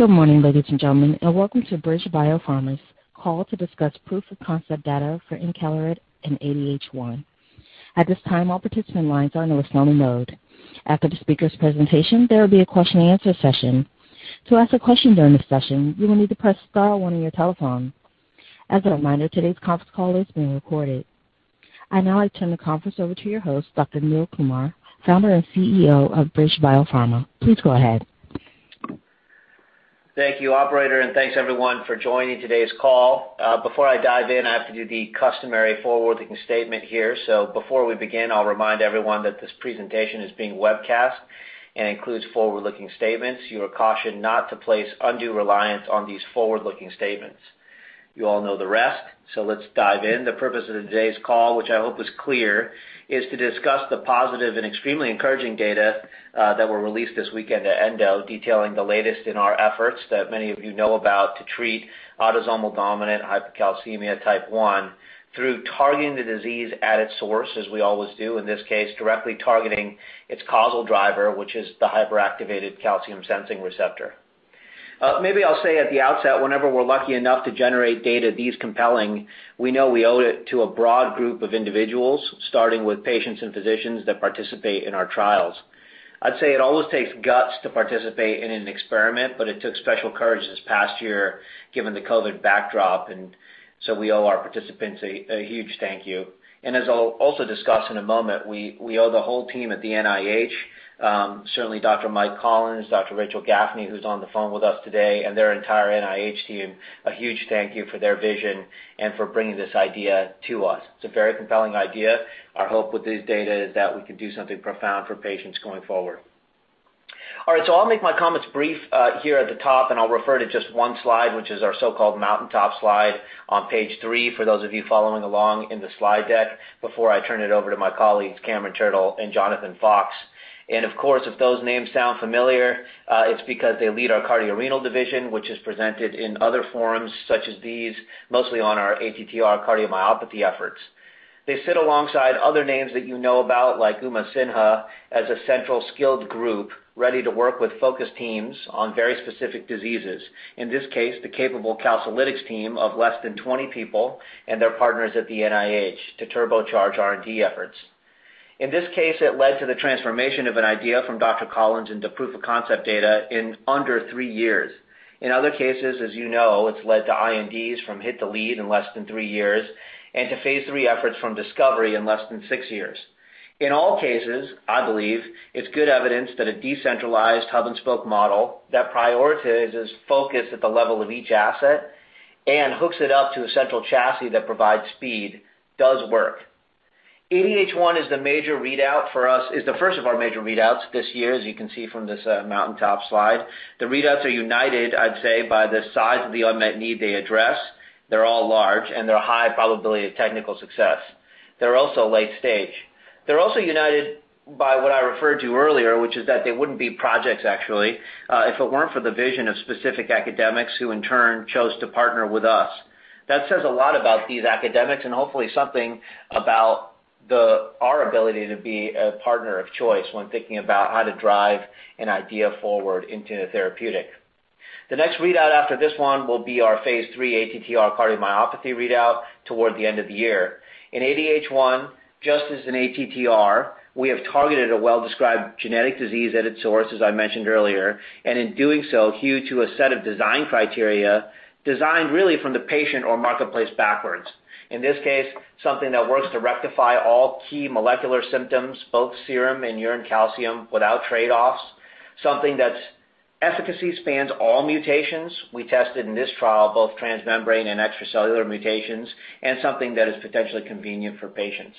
Good morning, ladies and gentlemen, and welcome to BridgeBio Pharma's call to discuss proof of concept data for encaleret in ADH1. I'd now like to turn the conference over to your host, Dr Neil Kumar, founder and CEO of BridgeBio Pharma. Please go ahead. Thank you, operator, and thanks everyone for joining today's call. Before I dive in, I have to do the customary forward-looking statement here. Before we begin, I'll remind everyone that this presentation is being webcast and includes forward-looking statements. You are cautioned not to place undue reliance on these forward-looking statements. You all know the rest, let's dive in. The purpose of today's call, which I hope is clear, is to discuss the positive and extremely encouraging data, that were released this week at the ENDO, detailing the latest in our efforts that many of you know about to treat autosomal dominant hypocalcemia type 1 through targeting the disease at its source, as we always do, in this case, directly targeting its causal driver, which is the hyperactivated calcium-sensing receptor. Maybe I'll say at the outset, whenever we're lucky enough to generate data these compelling, we know we owe it to a broad group of individuals, starting with patients and physicians that participate in our trials. I'd say it always takes guts to participate in an experiment, but it took special courage this past year given the COVID backdrop. We owe our participants a huge thank you. As I'll also discuss in a moment, we owe the whole team at the NIH, certainly Dr. Mike Collins, Dr. Rachel Gafni, who's on the phone with us today, and their entire NIH team, a huge thank you for their vision and for bringing this idea to us. It's a very compelling idea. Our hope with these data is that we can do something profound for patients going forward. I'll make my comments brief here at the top, and I'll refer to just one slide, which is our so-called mountaintop slide on page three, for those of you following along in the slide deck, before I turn it over to my colleagues, Cameron Turtle and Jonathan Fox. Of course, if those names sound familiar, it's because they lead our cardiorenal division, which is presented in other forums such as these, mostly on our ATTR cardiomyopathy efforts. They sit alongside other names that you know about, like Uma Sinha, as a central skilled group ready to work with focus teams on very specific diseases, in this case, the capable Calcilytix team of less than 20 people and their partners at the NIH to turbocharge R&D efforts. In this case, it led to the transformation of an idea from Dr. Collins into proof of concept data in under three years. In other cases, as you know, it's led to INDs from hit to lead in less than three years and to phase III efforts from discovery in less than six years. In all cases, I believe it's good evidence that a decentralized hub-and-spoke model that prioritizes focus at the level of each asset and hooks it up to a central chassis that provides speed does work. ADH1 is the first of our major readouts this year, as you can see from this mountaintop slide. The readouts are united, I'd say, by the size of the unmet need they address. They're all large, they're high probability of technical success. They're also late stage. They're also united by what I referred to earlier, which is that they wouldn't be projects actually, if it weren't for the vision of specific academics who in turn chose to partner with us. That says a lot about these academics and hopefully something about our ability to be a partner of choice when thinking about how to drive an idea forward into a therapeutic. The next readout after this one will be our phase III ATTR cardiomyopathy readout toward the end of the year. In ADH1, just as in ATTR, we have targeted a well-described genetic disease at its source, as I mentioned earlier, and in doing so, hewed to a set of design criteria designed really from the patient or marketplace backwards. In this case, something that works to rectify all key molecular symptoms, both serum and urine calcium, without trade-offs, something that's efficacy spans all mutations. We tested in this trial both transmembrane and extracellular mutations, and something that is potentially convenient for patients.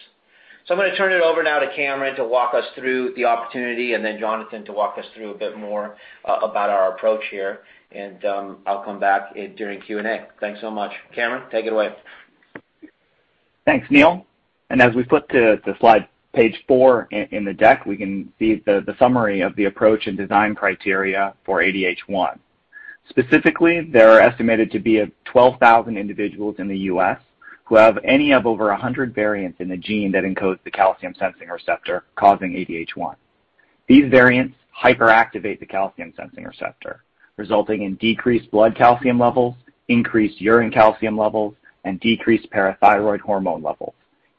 I'm going to turn it over now to Cameron to walk us through the opportunity and then Jonathan to walk us through a bit more about our approach here, and I'll come back during Q&A. Thanks so much. Cameron, take it away. Thanks, Neil. As we flip to slide page four in the deck, we can see the summary of the approach and design criteria for ADH1. Specifically, there are estimated to be 12,000 individuals in the U.S. who have any of over 100 variants in the gene that encodes the calcium-sensing receptor causing ADH1. These variants hyperactivate the calcium-sensing receptor, resulting in decreased blood calcium levels, increased urine calcium levels, and decreased parathyroid hormone levels,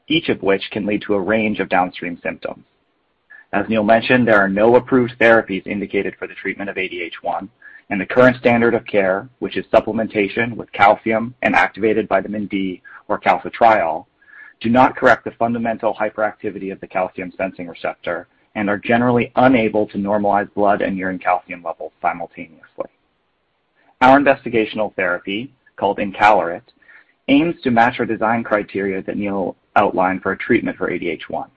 each of which can lead to a range of downstream symptoms. As Neil mentioned, there are no approved therapies indicated for the treatment of ADH1. The current standard of care, which is supplementation with calcium and activated vitamin D or calcitriol, do not correct the fundamental hyperactivity of the calcium-sensing receptor and are generally unable to normalize blood and urine calcium levels simultaneously. Our investigational therapy, called encaleret, aims to match our design criteria that Neil outlined for a treatment for ADH1.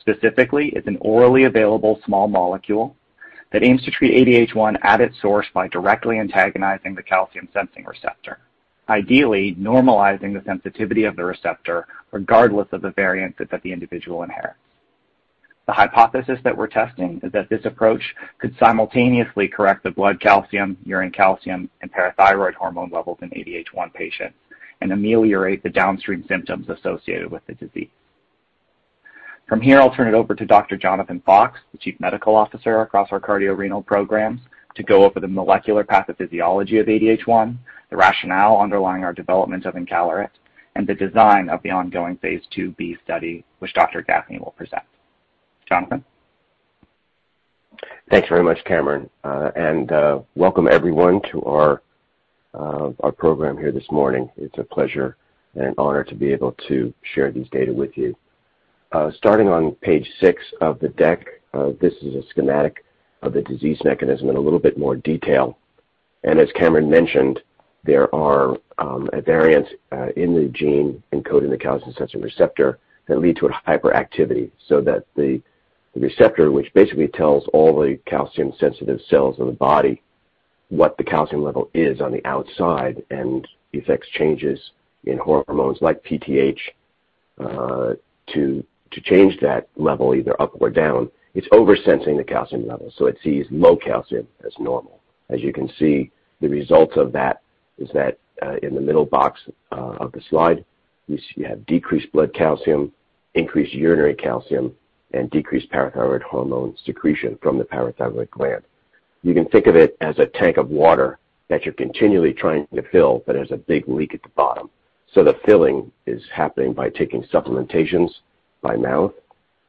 Specifically, it's an orally available small molecule that aims to treat ADH1 at its source by directly antagonizing the calcium-sensing receptor, ideally normalizing the sensitivity of the receptor regardless of the variant that the individual inherits. The hypothesis that we're testing is that this approach could simultaneously correct the blood calcium, urine calcium, and parathyroid hormone levels in ADH1 patients and ameliorate the downstream symptoms associated with the disease. From here, I'll turn it over to Dr. Jonathan Fox, the Chief Medical Officer across our cardiorenal programs, to go over the molecular pathophysiology of ADH1, the rationale underlying our development of encaleret, and the design of the ongoing phase IIb study, which Dr. Gafni will present. Jonathan? Thanks very much, Cameron. Welcome everyone to our program here this morning. It's a pleasure and honor to be able to share these data with you. Starting on page six of the deck, this is a schematic of the disease mechanism in a little bit more detail. As Cameron mentioned, there are variants in the gene encoding the calcium-sensing receptor that lead to a hyperactivity, so that the receptor, which basically tells all the calcium sensitive cells in the body what the calcium level is on the outside and affects changes in hormones like PTH, to change that level either up or down. It's over-sensing the calcium levels, so it sees low calcium as normal. As you can see, the result of that is that in the middle box of the slide, you have decreased blood calcium, increased urinary calcium, and decreased parathyroid hormone secretion from the parathyroid gland. You can think of it as a tank of water that you're continually trying to fill but has a big leak at the bottom. The filling is happening by taking supplementations by mouth,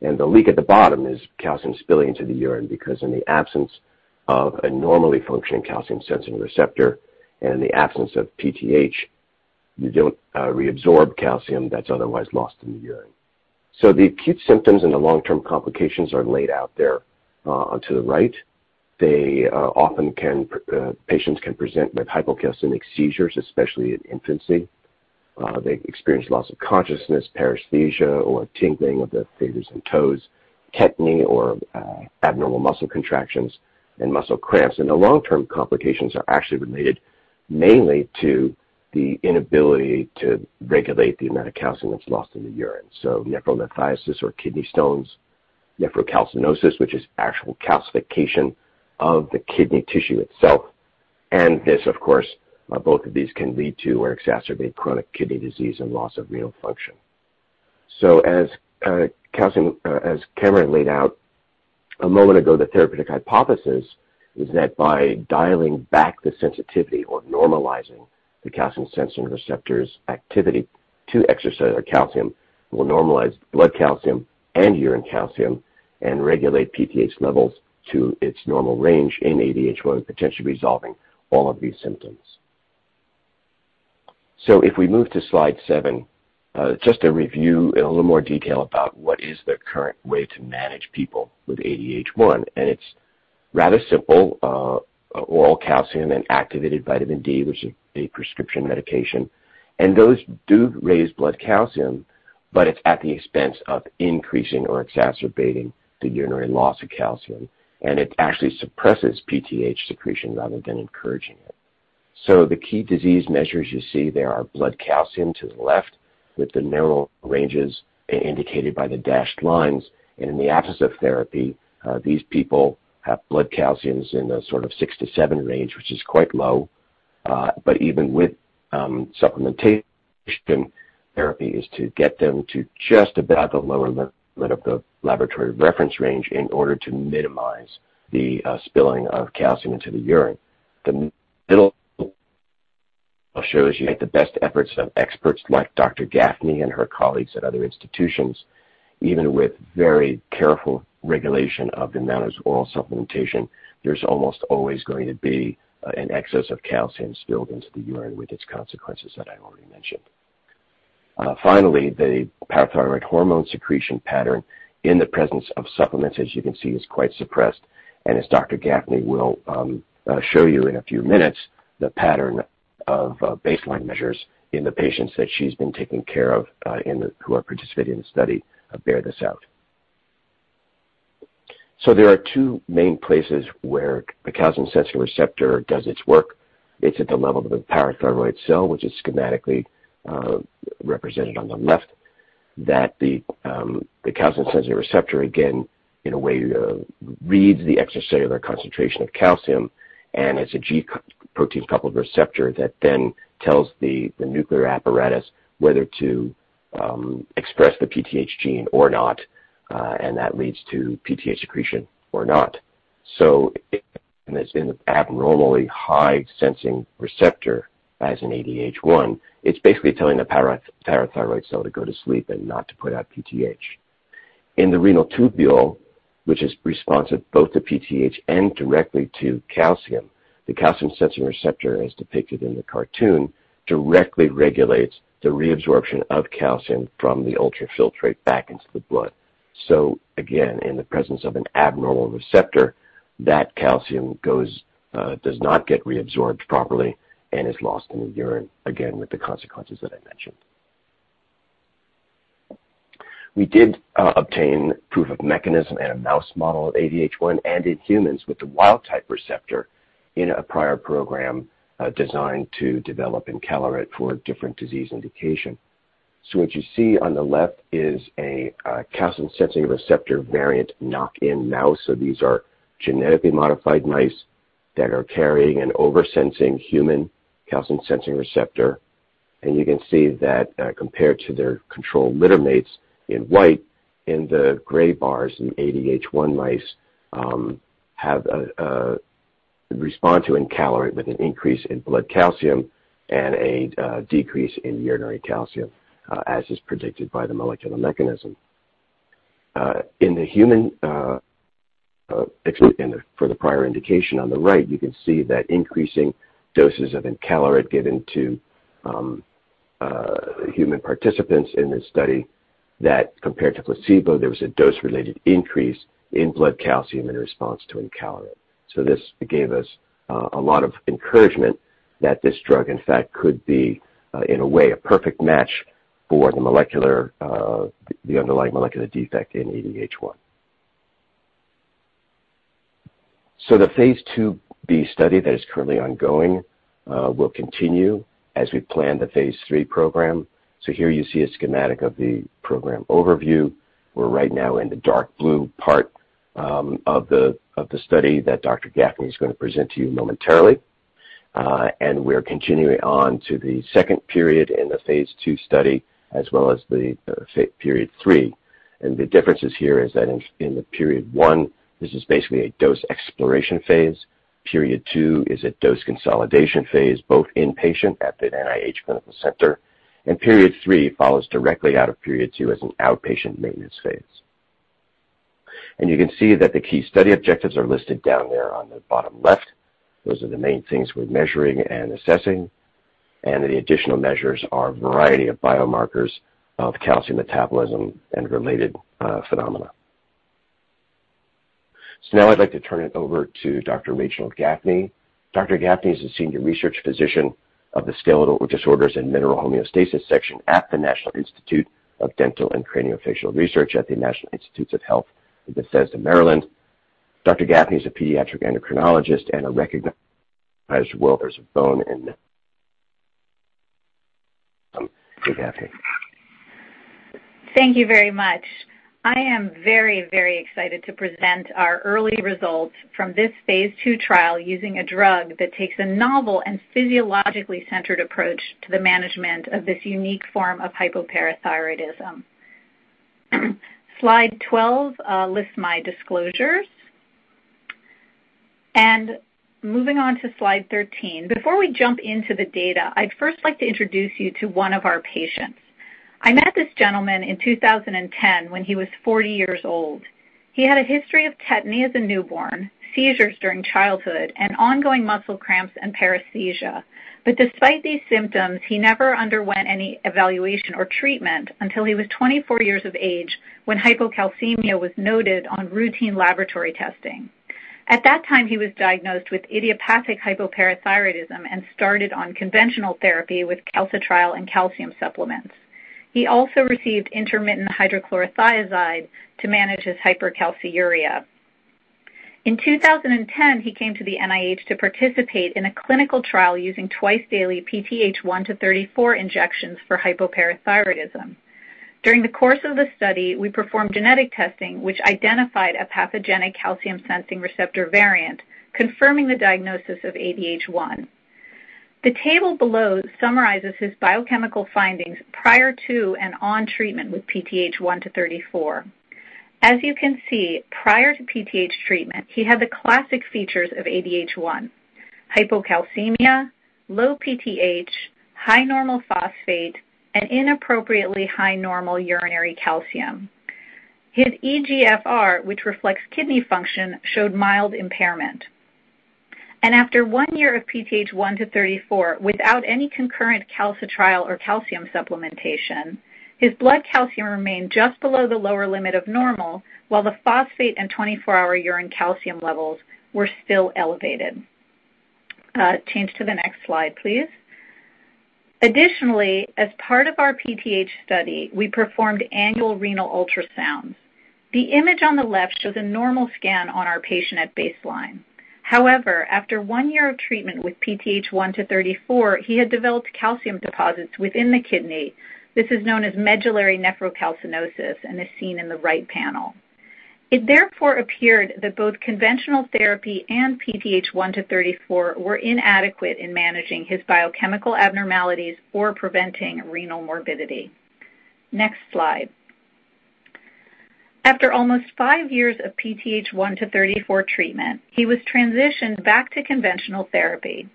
and the leak at the bottom is calcium spilling into the urine, because in the absence of a normally functioning calcium-sensing receptor and in the absence of PTH, you don't reabsorb calcium that's otherwise lost in the urine. The acute symptoms and the long-term complications are laid out there to the right. Patients can present with hypocalcemic seizures, especially in infancy. They experience loss of consciousness, paresthesia, or tingling of the fingers and toes, tetany or abnormal muscle contractions and muscle cramps. The long-term complications are actually related mainly to the inability to regulate the amount of calcium that's lost in the urine. Nephrolithiasis or kidney stones, nephrocalcinosis, which is actual calcification of the kidney tissue itself. This, of course, both of these can lead to or exacerbate chronic kidney disease and loss of renal function. As Cameron laid out a moment ago, the therapeutic hypothesis is that by dialing back the sensitivity or normalizing the calcium-sensing receptor's activity to extracellular calcium will normalize blood calcium and urine calcium and regulate PTH levels to its normal range in ADH1, potentially resolving all of these symptoms. If we move to slide seven, just to review in a little more detail about what is the current way to manage people with ADH1, and it's rather simple. Oral calcium and activated vitamin D, which is a prescription medication. Those do raise blood calcium, but it's at the expense of increasing or exacerbating the urinary loss of calcium. It actually suppresses PTH secretion rather than encouraging it. The key disease measures you see there are blood calcium to the left, with the normal ranges indicated by the dashed lines. In the absence of therapy, these people have blood calciums in the sort of 6-7 range, which is quite low. Even with supplementation therapy is to get them to just about the lower limit of the laboratory reference range in order to minimize the spilling of calcium into the urine. The middle shows you the best efforts of experts like Dr. Gafni and her colleagues at other institutions. Even with very careful regulation of the amount of oral supplementation, there's almost always going to be an excess of calcium spilled into the urine with its consequences that I already mentioned. Finally, the parathyroid hormone secretion pattern in the presence of supplements, as you can see, is quite suppressed. As Dr. Gafni will show you in a few minutes, the pattern of baseline measures in the patients that she's been taking care of who are participating in the study bear this out. There are two main places where the calcium-sensing receptor does its work. It's at the level of the parathyroid cell, which is schematically represented on the left, that the calcium-sensing receptor, again, in a way, reads the extracellular concentration of calcium and has a G protein-coupled receptor that then tells the nuclear apparatus whether to express the PTH gene or not. That leads to PTH secretion or not. In the abnormally high sensing receptor as in ADH1, it's basically telling the parathyroid cell to go to sleep and not to put out PTH. In the renal tubule, which is responsive both to PTH and directly to calcium, the calcium-sensing receptor, as depicted in the cartoon, directly regulates the reabsorption of calcium from the ultrafiltrate back into the blood. Again, in the presence of an abnormal receptor, that calcium does not get reabsorbed properly and is lost in the urine, again, with the consequences that I mentioned. We did obtain proof of mechanism in a mouse model of ADH1 and in humans with the wild type receptor in a prior program designed to develop encaleret for a different disease indication. What you see on the left is a calcium-sensing receptor variant knock-in mouse. These are genetically modified mice that are carrying an over-sensing human calcium-sensing receptor. You can see that compared to their control littermates in white, in the gray bars, the ADH1 mice respond to encaleret with an increase in blood calcium and a decrease in urinary calcium as is predicted by the molecular mechanism. For the prior indication on the right, you can see that increasing doses of encaleret given to human participants in this study that compared to placebo, there was a dose-related increase in blood calcium in response to encaleret. This gave us a lot of encouragement that this drug, in fact, could be, in a way, a perfect match for the underlying molecular defect in ADH1. The phase II-B study that is currently ongoing will continue as we plan the phase III program. Here you see a schematic of the program overview. We're right now in the dark blue part of the study that Dr. Gafni's going to present to you momentarily. We're continuing on to the second period in the phase II study as well as the Period 3. The differences here is that in the Period 1, this is basically a dose exploration phase. Period 2 is a dose consolidation phase, both inpatient at the NIH Clinical Center, and Period 3 follows directly out of Period 2 as an outpatient maintenance phase. You can see that the key study objectives are listed down there on the bottom left. Those are the main things we're measuring and assessing, and the additional measures are a variety of biomarkers of calcium metabolism and related phenomena. Now I'd like to turn it over to Dr. Rachel Gafni. Dr. Gafni is the senior research physician of the Skeletal Disorders and Mineral Homeostasis Section at the National Institute of Dental and Craniofacial Research at the National Institutes of Health in Bethesda, Maryland. Dr. Gafni is a pediatric endocrinologist. Hey, Dr. Gafni. Thank you very much. I am very excited to present our early results from this Phase II trial using a drug that takes a novel and physiologically centered approach to the management of this unique form of hypoparathyroidism. Slide 12 lists my disclosures. Moving on to slide 13. Before we jump into the data, I'd first like to introduce you to one of our patients. I met this gentleman in 2010 when he was 40 years old. He had a history of tetany as a newborn, seizures during childhood, and ongoing muscle cramps and paresthesia. Despite these symptoms, he never underwent any evaluation or treatment until he was 24 years of age when hypocalcemia was noted on routine laboratory testing. At that time, he was diagnosed with idiopathic hypoparathyroidism and started on conventional therapy with calcitriol and calcium supplements. He also received intermittent hydrochlorothiazide to manage his hypercalciuria. In 2010, he came to the NIH to participate in a clinical trial using twice-daily PTH(1-34) injections for hypoparathyroidism. During the course of the study, we performed genetic testing, which identified a pathogenic calcium-sensing receptor variant, confirming the diagnosis of ADH1. The table below summarizes his biochemical findings prior to and on treatment with PTH(1-34). As you can see, prior to PTH treatment, he had the classic features of ADH1. Hypocalcemia, low PTH, high normal phosphate, and inappropriately high normal urinary calcium. His eGFR, which reflects kidney function, showed mild impairment. After one year of PTH(1-34), without any concurrent calcitriol or calcium supplementation, his blood calcium remained just below the lower limit of normal, while the phosphate and 24-hour urine calcium levels were still elevated. Change to the next slide, please. Additionally, as part of our PTH study, we performed annual renal ultrasounds. The image on the left shows a normal scan on our patient at baseline. After one year of treatment with PTH(1-34), he had developed calcium deposits within the kidney. This is known as medullary nephrocalcinosis and is seen in the right panel. It therefore appeared that both conventional therapy and PTH(1-34) were inadequate in managing his biochemical abnormalities or preventing renal morbidity. Next slide. After almost five years of PTH(1-34) treatment, he was transitioned back to conventional therapy.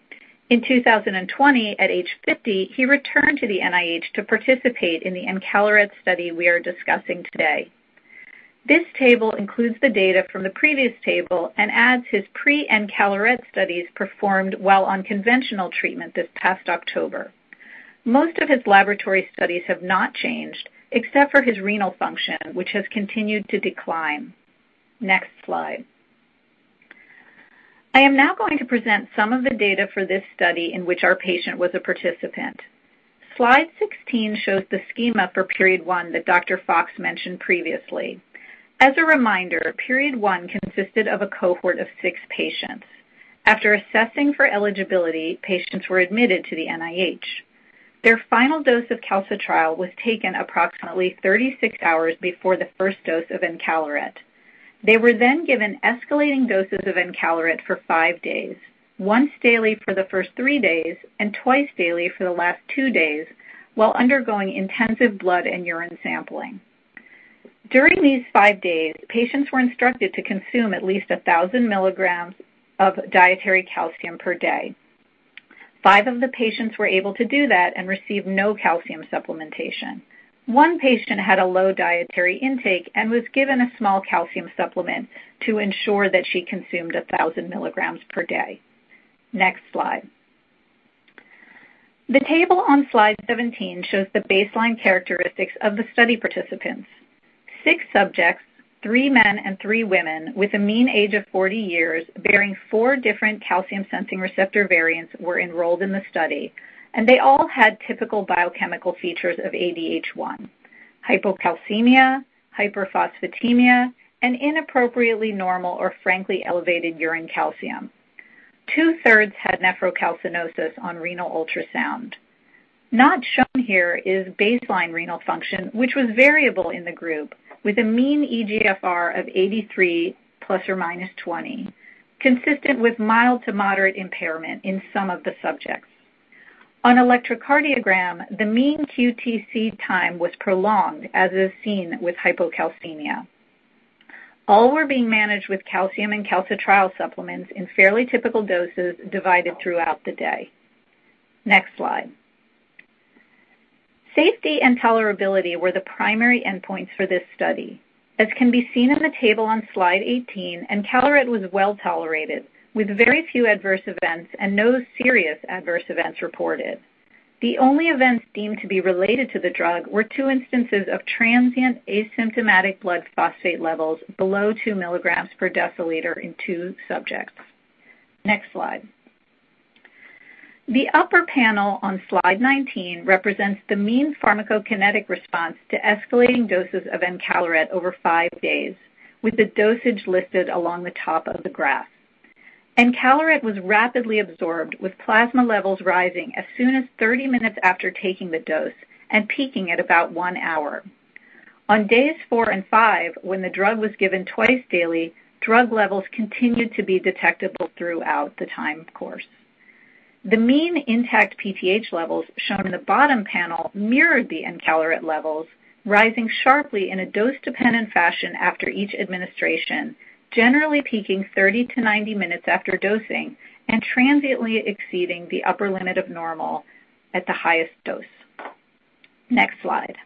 In 2020, at age 50, he returned to the NIH to participate in the encaleret study we are discussing today. This table includes the data from the previous table and adds his pre-encaleret studies performed while on conventional treatment this past October. Most of his laboratory studies have not changed, except for his renal function, which has continued to decline. Next slide. I am now going to present some of the data for this study in which our patient was a participant. Slide 16 shows the schema for period one that Dr. Fox mentioned previously. As a reminder, period one consisted of a cohort of 6 patients. After assessing for eligibility, patients were admitted to the NIH. Their final dose of calcitriol was taken approximately 36 hours before the first dose of encaleret. they were given escalating doses of encaleret for five days, once daily for the first three days and twice daily for the last two days, while undergoing intensive blood and urine sampling. During these five days, patients were instructed to consume at least 1,000mg of dietary calcium per day. Five of the patients were able to do that and received no calcium supplementation. One patient had a low dietary intake and was given a small calcium supplement to ensure that she consumed 1,000 mg per day. Next slide. The table on slide 17 shows the baseline characteristics of the study participants. Six subjects, three men and three women, with a mean age of 40 years, bearing four different calcium-sensing receptor variants were enrolled in the study, and they all had typical biochemical features of ADH1, hypocalcemia, hyperphosphatemia, and inappropriately normal or frankly elevated urine calcium. Two-thirds had nephrocalcinosis on renal ultrasound. Not shown here is baseline renal function, which was variable in the group with a mean eGFR of 83 ± 20, consistent with mild to moderate impairment in some of the subjects. On electrocardiogram, the mean QTc time was prolonged, as is seen with hypocalcemia. All were being managed with calcium and calcitriol supplements in fairly typical doses divided throughout the day. Next slide. Safety and tolerability were the primary endpoints for this study. As can be seen in the table on slide 18, encaleret was well-tolerated, with very few adverse events and no serious adverse events reported. The only events deemed to be related to the drug were two instances of transient asymptomatic blood phosphate levels below 2 mg per deciliter in two subjects. Next slide. The upper panel on slide 19 represents the mean pharmacokinetic response to escalating doses of encaleret over five days, with the dosage listed along the top of the graph. encaleret was rapidly absorbed, with plasma levels rising as soon as 30 minutes after taking the dose and peaking at about one hour. On days four and five, when the drug was given twice daily, drug levels continued to be detectable throughout the time course. The mean intact PTH levels shown in the bottom panel mirrored the encaleret levels, rising sharply in a dose-dependent fashion after each administration, generally peaking 30 to 90 minutes after dosing and transiently exceeding the upper limit of normal at the highest dose. Next slide.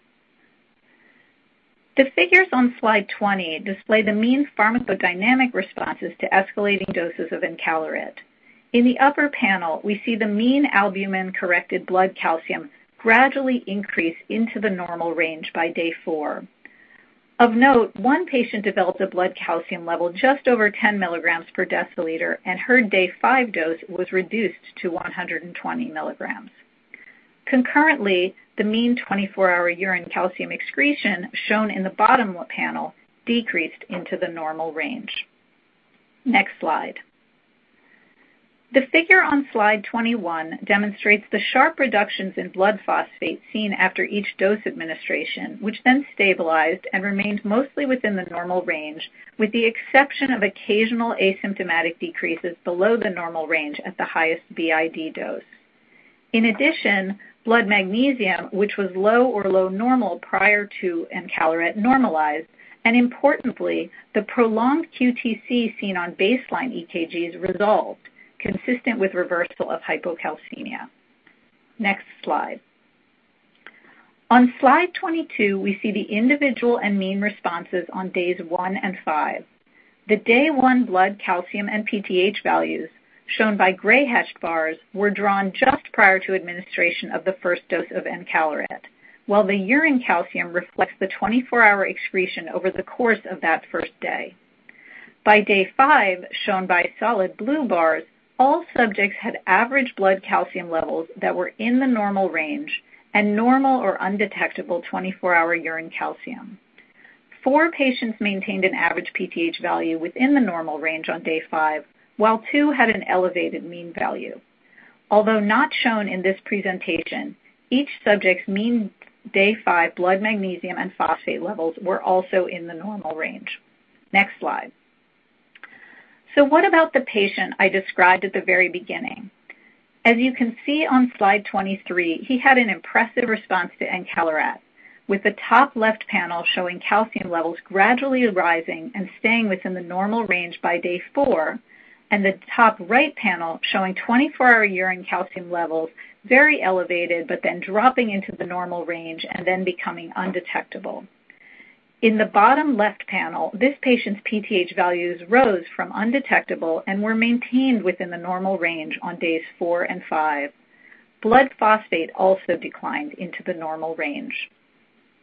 The figures on slide 20 display the mean pharmacodynamic responses to escalating doses of encaleret. In the upper panel, we see the mean albumin corrected blood calcium gradually increase into the normal range by day four. Of note, one patient developed a blood calcium level just over 10 mg per deciliter, and her day five dose was reduced to 120 mg. Concurrently, the mean 24-hour urine calcium excretion, shown in the bottom panel, decreased into the normal range. Next slide. The figure on slide 21 demonstrates the sharp reductions in blood phosphate seen after each dose administration, which then stabilized and remained mostly within the normal range, with the exception of occasional asymptomatic decreases below the normal range at the highest BID dose. In addition, blood magnesium, which was low or low normal prior to encaleret, normalized, and importantly, the prolonged QTc seen on baseline EKGs resolved, consistent with reversal of hypocalcemia. Next slide. On slide 22, we see the individual and mean responses on days one and five. The day one blood calcium and PTH values, shown by gray hashed bars, were drawn just prior to administration of the first dose of encaleret, while the urine calcium reflects the 24-hour excretion over the course of that first day. By day five, shown by solid blue bars, all subjects had average blood calcium levels that were in the normal range and normal or undetectable 24-hour urine calcium. Four patients maintained an average PTH value within the normal range on day five, while two had an elevated mean value. Although not shown in this presentation, each subject's mean day five blood magnesium and phosphate levels were also in the normal range. Next slide. What about the patient I described at the very beginning? As you can see on slide 23, he had an impressive response to encaleret, with the top left panel showing calcium levels gradually rising and staying within the normal range by day four, and the top right panel showing 24-hour urine calcium levels very elevated but then dropping into the normal range and then becoming undetectable. In the bottom left panel, this patient's PTH values rose from undetectable and were maintained within the normal range on days four and five. Blood phosphate also declined into the normal range.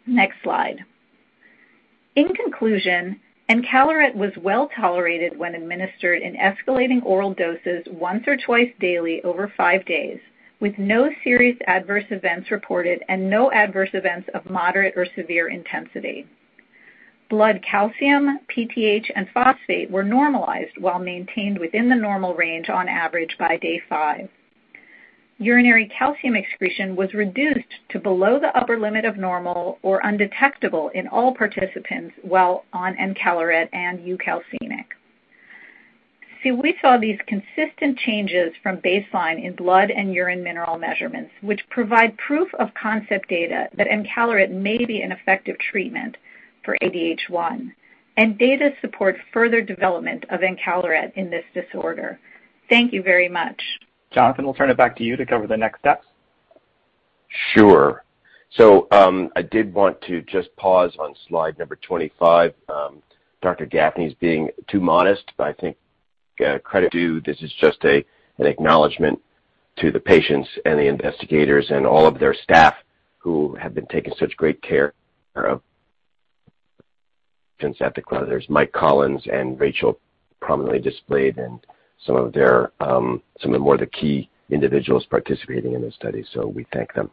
Next slide. In conclusion, encaleret was well-tolerated when administered in escalating oral doses once or twice daily over five days, with no serious adverse events reported and no adverse events of moderate or severe intensity. Blood calcium, PTH, and phosphate were normalized while maintained within the normal range on average by day five. Urinary calcium excretion was reduced to below the upper limit of normal or undetectable in all participants while on encaleret and Urocit-K. We saw these consistent changes from baseline in blood and urine mineral measurements, which provide proof of concept data that encaleret may be an effective treatment for ADH1, and data support further development of encaleret in this disorder. Thank you very much. Jonathan, we'll turn it back to you to cover the next steps. Sure. I did want to just pause on slide number 25. Dr. Gafni is being too modest, but I think credit due, this is just an acknowledgment to the patients and the investigators and all of their staff who have been taking such great care of patients at the Clinical Center. There's Dr. Mike Collins and Rachel prominently displayed and some of the more key individuals participating in this study. We thank them.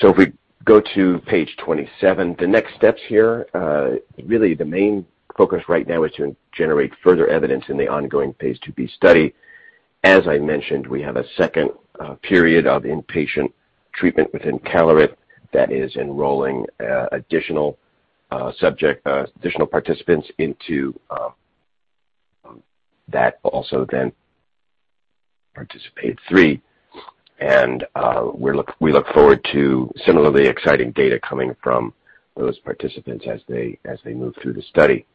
If we go to page 27, the next steps here, really the main focus right now is to generate further evidence in the ongoing phase IIb study. As I mentioned, we have a second period of inpatient treatment with encaleret that is enrolling additional participants into that also then Period 3. We look forward to similarly exciting data coming from those participants as they move through the study.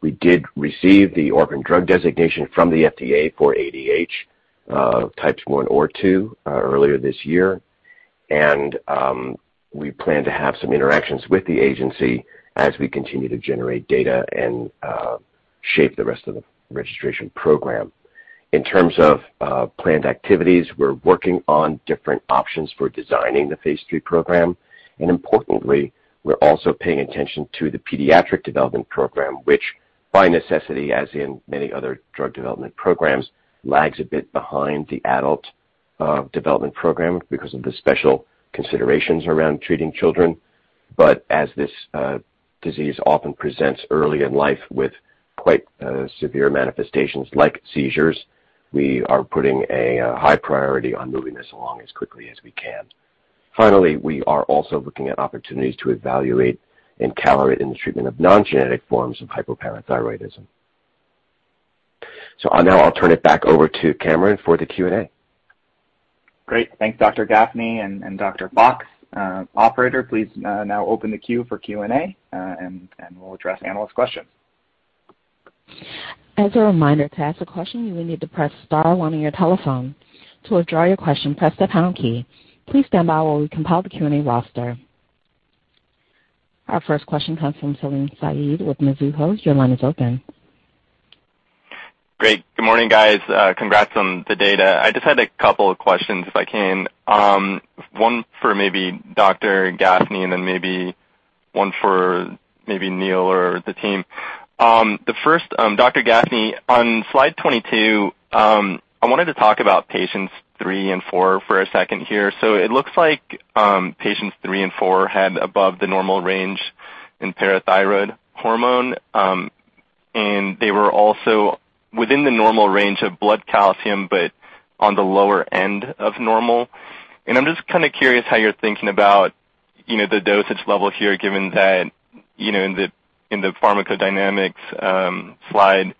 We did receive the orphan drug designation from the FDA for ADH types 1 or 2 earlier this year. We plan to have some interactions with the agency as we continue to generate data and shape the rest of the registration program. In terms of planned activities, we're working on different options for designing the phase III program. Importantly, we're also paying attention to the pediatric development program, which by necessity, as in many other drug development programs, lags a bit behind the adult development program because of the special considerations around treating children. As this disease often presents early in life with quite severe manifestations like seizures, we are putting a high priority on moving this along as quickly as we can. Finally, we are also looking at opportunities to evaluate encaleret in the treatment of non-genetic forms of hypoparathyroidism. Now I'll turn it back over to Cameron for the Q&A. Great. Thanks, Dr. Gafni and Dr. Fox. Operator, please now open the queue for Q&A, and we'll address analysts' questions. As a reminder, to ask a question, you will need to press star one on your telephone. To withdraw your question, press the pound key. Please stand by while we compile the Q&A roster. Our first question comes from Salim Syed with Mizuho. Your line is open. Great. Good morning, guys. Congrats on the data. I just had a couple of questions if I can. One for maybe Dr. Gafni and then maybe one for maybe Neil or the team. The first, Dr. Gafni, on slide 22, I wanted to talk about patients three and four for a second here. It looks like patients three and four had above the normal range in parathyroid hormone. They were also within the normal range of blood calcium, but on the lower end of normal. I'm just curious how you're thinking about the dosage level here, given that, in the pharmacodynamics slide,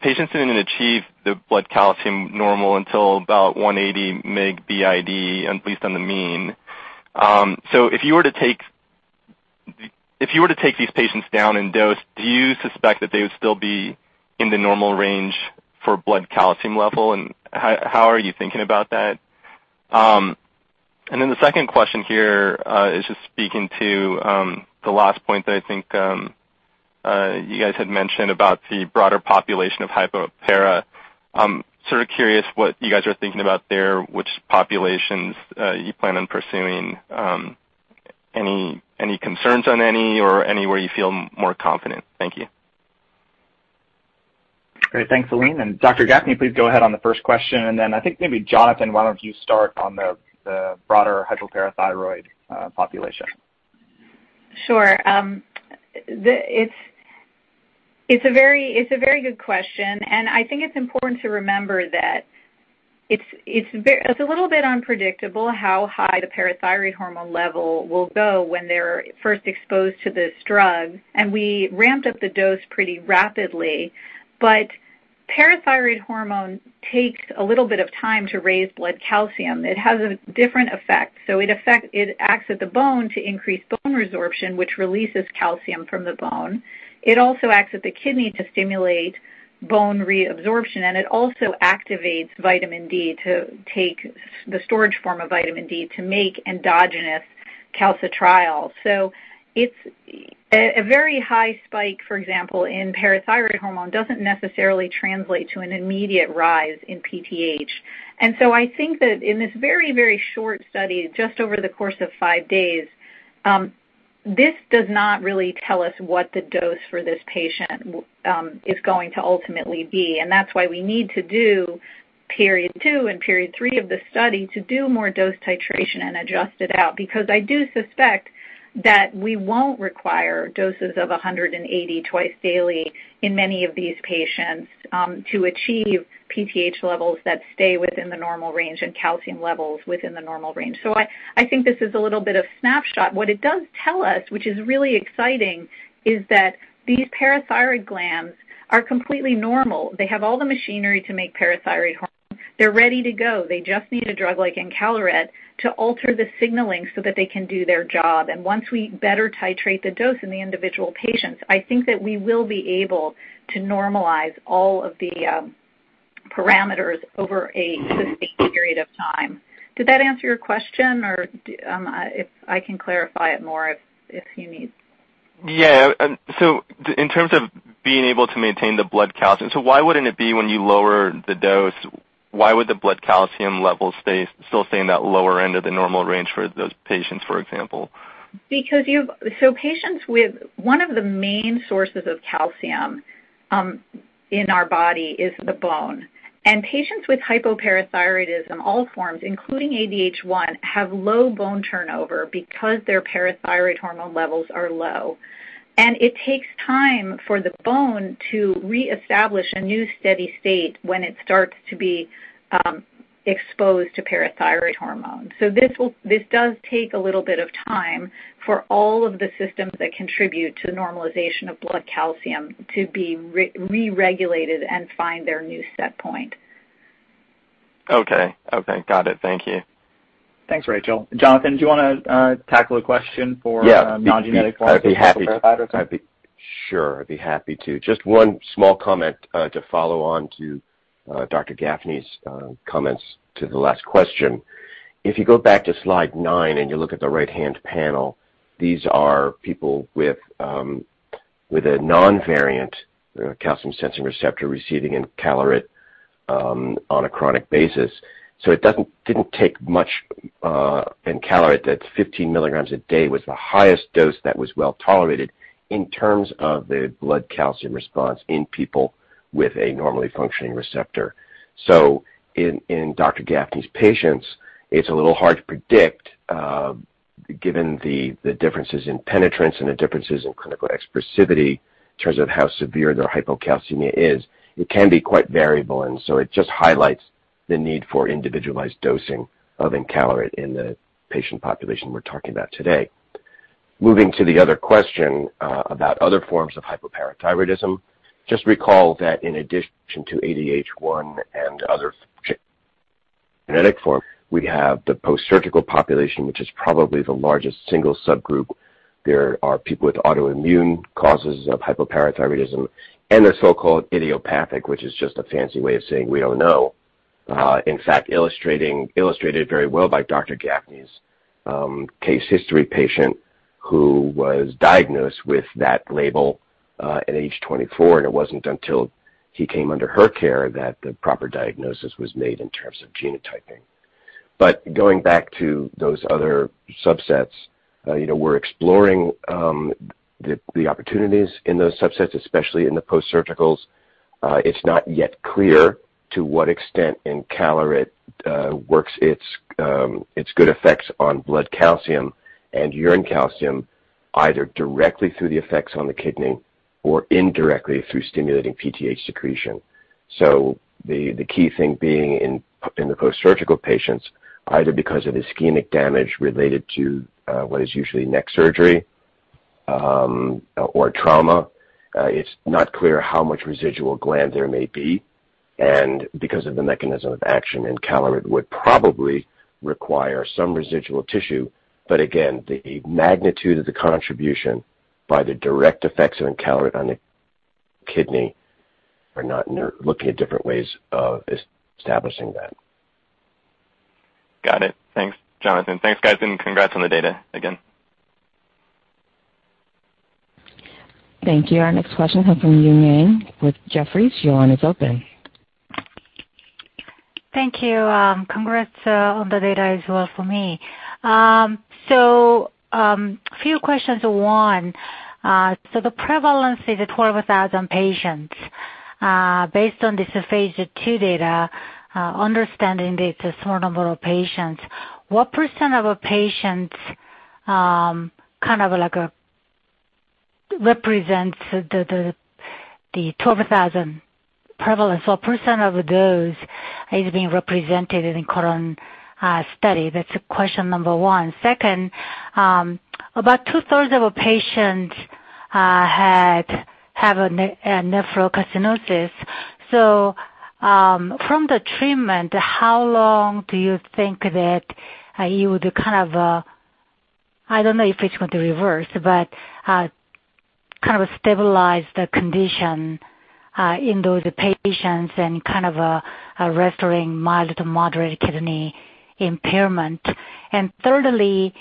patients didn't achieve the blood calcium normal until about 180 mg BID, at least on the mean. If you were to take these patients down in dose, do you suspect that they would still be in the normal range for blood calcium level? How are you thinking about that? The second question here is just speaking to the last point that I think you guys had mentioned about the broader population of hypoparathyroidism. I'm sort of curious what you guys are thinking about there, which populations you plan on pursuing. Any concerns on any or anywhere you feel more confident? Thank you. Great. Thanks, Salim. Dr. Gafni, please go ahead on the first question. I think maybe Jonathan, why don't you start on the broader hypoparathyroid population? Sure. It's a very good question. I think it's important to remember that it's a little bit unpredictable how high the parathyroid hormone level will go when they're first exposed to this drug. We ramped up the dose pretty rapidly. Parathyroid hormone takes a little bit of time to raise blood calcium. It has a different effect. It acts at the bone to increase bone resorption, which releases calcium from the bone. It also acts at the kidney to stimulate bone reabsorption. It also activates vitamin D to take the storage form of vitamin D to make endogenous calcitriol. A very high spike, for example, in parathyroid hormone doesn't necessarily translate to an immediate rise in PTH. I think that in this very short study, just over the course of five days, this does not really tell us what the dose for this patient is going to ultimately be. That's why we need to do Period 2 and Period 3 of the study to do more dose titration and adjust it out. I do suspect that we won't require doses of 180 twice daily in many of these patients to achieve PTH levels that stay within the normal range and calcium levels within the normal range. I think this is a little bit of snapshot. What it does tell us, which is really exciting, is that these parathyroid glands are completely normal. They have all the machinery to make parathyroid hormone. They're ready to go. They just need a drug like encaleret to alter the signaling so that they can do their job. Once we better titrate the dose in the individual patients, I think that we will be able to normalize all of the parameters over a sustained period of time. Did that answer your question? I can clarify it more if you need. Yeah. In terms of being able to maintain the blood calcium, why wouldn't it be when you lower the dose, why would the blood calcium levels still stay in that lower end of the normal range for those patients, for example? One of the main sources of calcium in our body is the bone. Patients with hypoparathyroidism, all forms, including ADH1, have low bone turnover because their parathyroid hormone levels are low. It takes time for the bone to reestablish a new steady state when it starts to be exposed to parathyroid hormone. This does take a little bit of time for all of the systems that contribute to the normalization of blood calcium to be re-regulated and find their new set point. Okay. Got it. Thank you. Thanks, Rachel. Jonathan, do you want to tackle a question for- Yeah ...non-genetic causes of hypoparathyroidism? Sure, I'd be happy to. Just one small comment to follow on to Dr. Gafni's comments to the last question. If you go back to slide nine and you look at the right-hand panel, these are people with a non-variant calcium-sensing receptor receiving encaleret on a chronic basis. It didn't take much encaleret, that 15 mg a day was the highest dose that was well-tolerated in terms of the blood calcium response in people with a normally functioning receptor. In Dr. Gafni's patients, it's a little hard to predict given the differences in penetrance and the differences in clinical expressivity in terms of how severe their hypocalcemia is. It can be quite variable, it just highlights the need for individualized dosing of encaleret in the patient population we're talking about today. Moving to the other question about other forms of hypoparathyroidism, just recall that in addition to ADH1 and other genetic forms, we have the post-surgical population, which is probably the largest single subgroup. There are people with autoimmune causes of hypoparathyroidism and the so-called idiopathic, which is just a fancy way of saying we don't know. In fact, illustrated very well by Dr. Gafni's case history patient who was diagnosed with that label at age 24, and it wasn't until he came under her care that the proper diagnosis was made in terms of genotyping. Going back to those other subsets, we're exploring the opportunities in those subsets, especially in the post-surgicals. It's not yet clear to what extent encaleret works its good effects on blood calcium and urine calcium, either directly through the effects on the kidney or indirectly through stimulating PTH secretion. The key thing being in the post-surgical patients, either because of ischemic damage related to what is usually neck surgery or trauma, it's not clear how much residual gland there may be. Because of the mechanism of action, encaleret would probably require some residual tissue. Again, the magnitude of the contribution by the direct effects of encaleret on the kidney are not looking at different ways of establishing that. Got it. Thanks, Jonathan. Thanks, guys, and congrats on the data again. Thank you. Our next question comes from Eun Yang with Jefferies. Your line is open. Thank you. Congrats on the data as well from me. A few questions. One, the prevalence is at 12,000 patients. Based on this phase II data, understanding that it's a small number of patients, what percent of patients represents the 12,000 prevalence, what percent of those is being represented in current study? That's question number one. Second, about two-thirds of patients have a nephrocalcinosis. From the treatment, how long do you think that you would, I don't know if it's going to reverse, but stabilize the condition in those patients and restoring mild to moderate kidney impairment? Thirdly,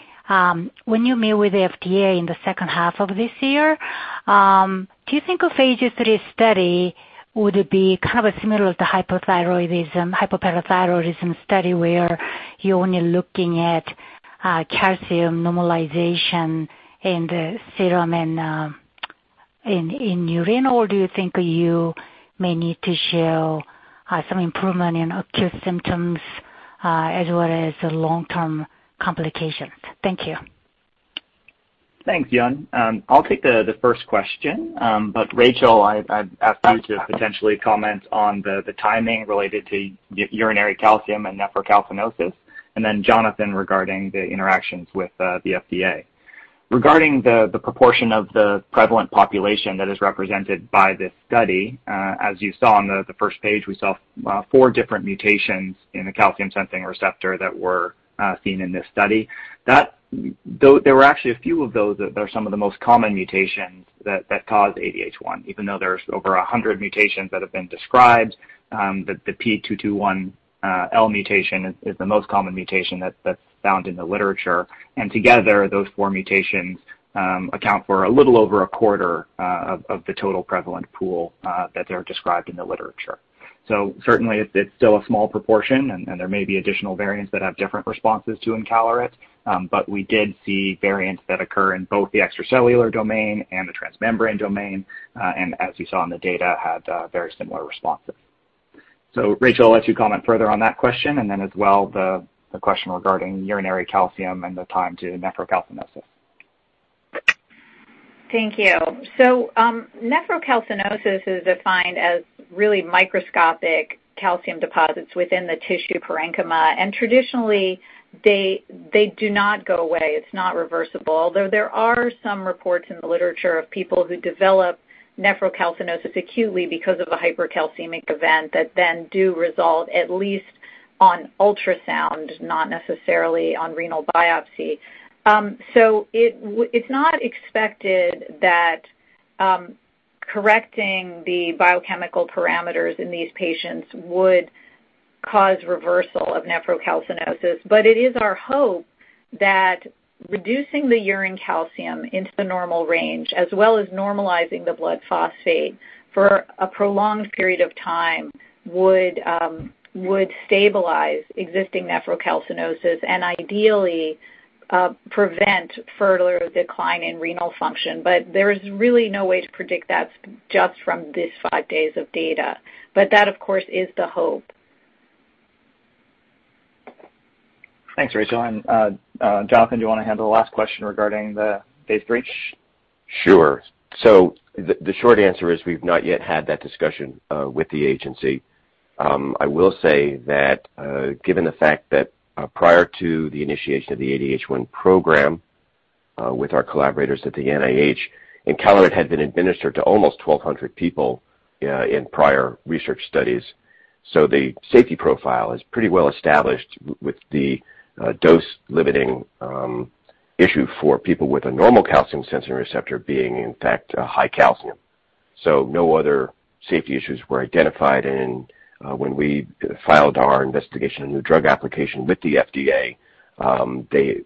when you meet with the FDA in the second half of this year, do you think a phase III study would be similar to hypothyroidism, hypoparathyroidism study, where you're only looking at calcium normalization in the serum and in urine, or do you think you may need to show some improvement in acute symptoms as well as long-term complications? Thank you. Thanks, Eun. I'll take the first question. Rachel, I ask you to potentially comment on the timing related to urinary calcium and nephrocalcinosis, and then Jonathan, regarding the interactions with the FDA. Regarding the proportion of the prevalent population that is represented by this study, as you saw on the first page, we saw four different mutations in the calcium-sensing receptor that were seen in this study. There were actually a few of those that are some of the most common mutations that cause ADH1, even though there's over 100 mutations that have been described. The P221L mutation is the most common mutation that's found in the literature. Together, those four mutations account for a little over a quarter of the total prevalent pool that are described in the literature. Certainly, it's still a small proportion, and there may be additional variants that have different responses to encaleret. We did see variants that occur in both the extracellular domain and the transmembrane domain, and as you saw in the data, had very similar responses. Rachel, I'll let you comment further on that question and then as well, the question regarding urinary calcium and the time to nephrocalcinosis. Thank you. Nephrocalcinosis is defined as really microscopic calcium deposits within the tissue parenchyma, and traditionally, they do not go away. It's not reversible, though there are some reports in the literature of people who develop nephrocalcinosis acutely because of a hypercalcemic event that then do resolve, at least on ultrasound, not necessarily on renal biopsy. It is our hope that reducing the urine calcium into the normal range, as well as normalizing the blood phosphate for a prolonged period of time, would stabilize existing nephrocalcinosis and ideally prevent further decline in renal function. There is really no way to predict that just from these five days of data. That, of course, is the hope. Thanks, Rachel. Jonathan, do you want to handle the last question regarding the phase III? Sure. The short answer is we've not yet had that discussion with the agency. I will say that given the fact that prior to the initiation of the ADH1 program with our collaborators at the NIH, encaleret had been administered to almost 1,200 people in prior research studies. The safety profile is pretty well established with the dose-limiting issue for people with a normal calcium-sensing receptor being, in fact, high calcium. No other safety issues were identified. When we filed our Investigational New Drug application with the FDA, they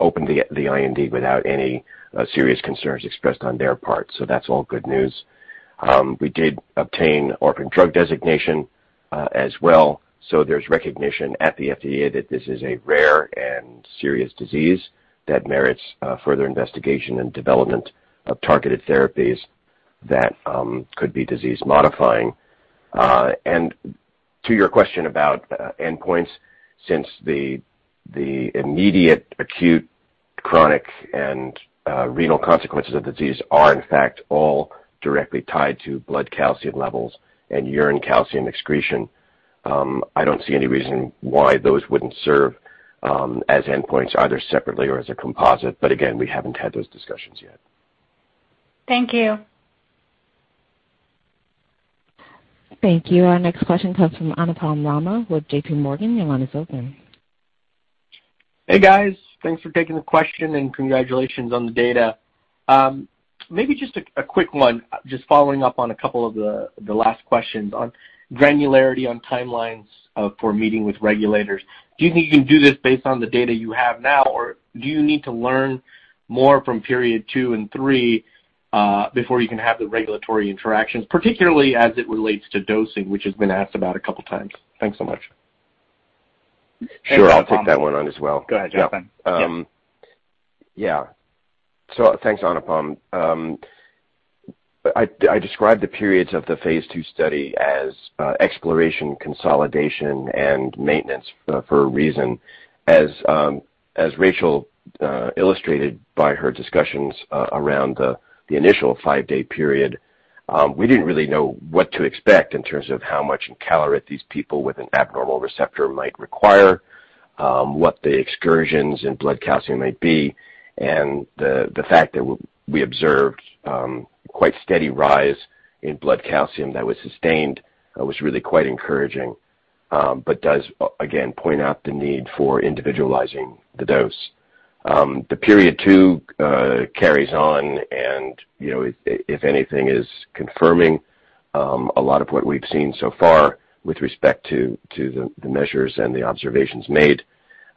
opened the IND without any serious concerns expressed on their part. That's all good news. We did obtain orphan drug designation as well, there's recognition at the FDA that this is a rare and serious disease that merits further investigation and development of targeted therapies that could be disease-modifying. To your question about endpoints, since the immediate acute, chronic, and renal consequences of the disease are in fact all directly tied to blood calcium levels and urine calcium excretion, I don't see any reason why those wouldn't serve as endpoints, either separately or as a composite. Again, we haven't had those discussions yet. Thank you. Thank you. Our next question comes from Anupam Rama with JPMorgan. Your line is open. Hey, guys. Thanks for taking the question. Congratulations on the data. Maybe just a quick one, just following up on a couple of the last questions on granularity on timelines for meeting with regulators. Do you think you can do this based on the data you have now, do you need to learn more from phase II and III before you can have the regulatory interactions, particularly as it relates to dosing, which has been asked about a couple times? Thanks so much. Sure, I'll take that one on as well. Go ahead, Jonathan. Yeah. Yeah. Thanks, Anupam. I described the periods of the phase II study as exploration, consolidation, and maintenance for a reason. As Rachel illustrated by her discussions around the initial five-day period, we didn't really know what to expect in terms of how much encaleret these people with an abnormal receptor might require, what the excursions in blood calcium might be, and the fact that we observed quite a steady rise in blood calcium that was sustained was really quite encouraging. Does, again, point out the need for individualizing the dose. The period two carries on and, if anything, is confirming a lot of what we've seen so far with respect to the measures and the observations made.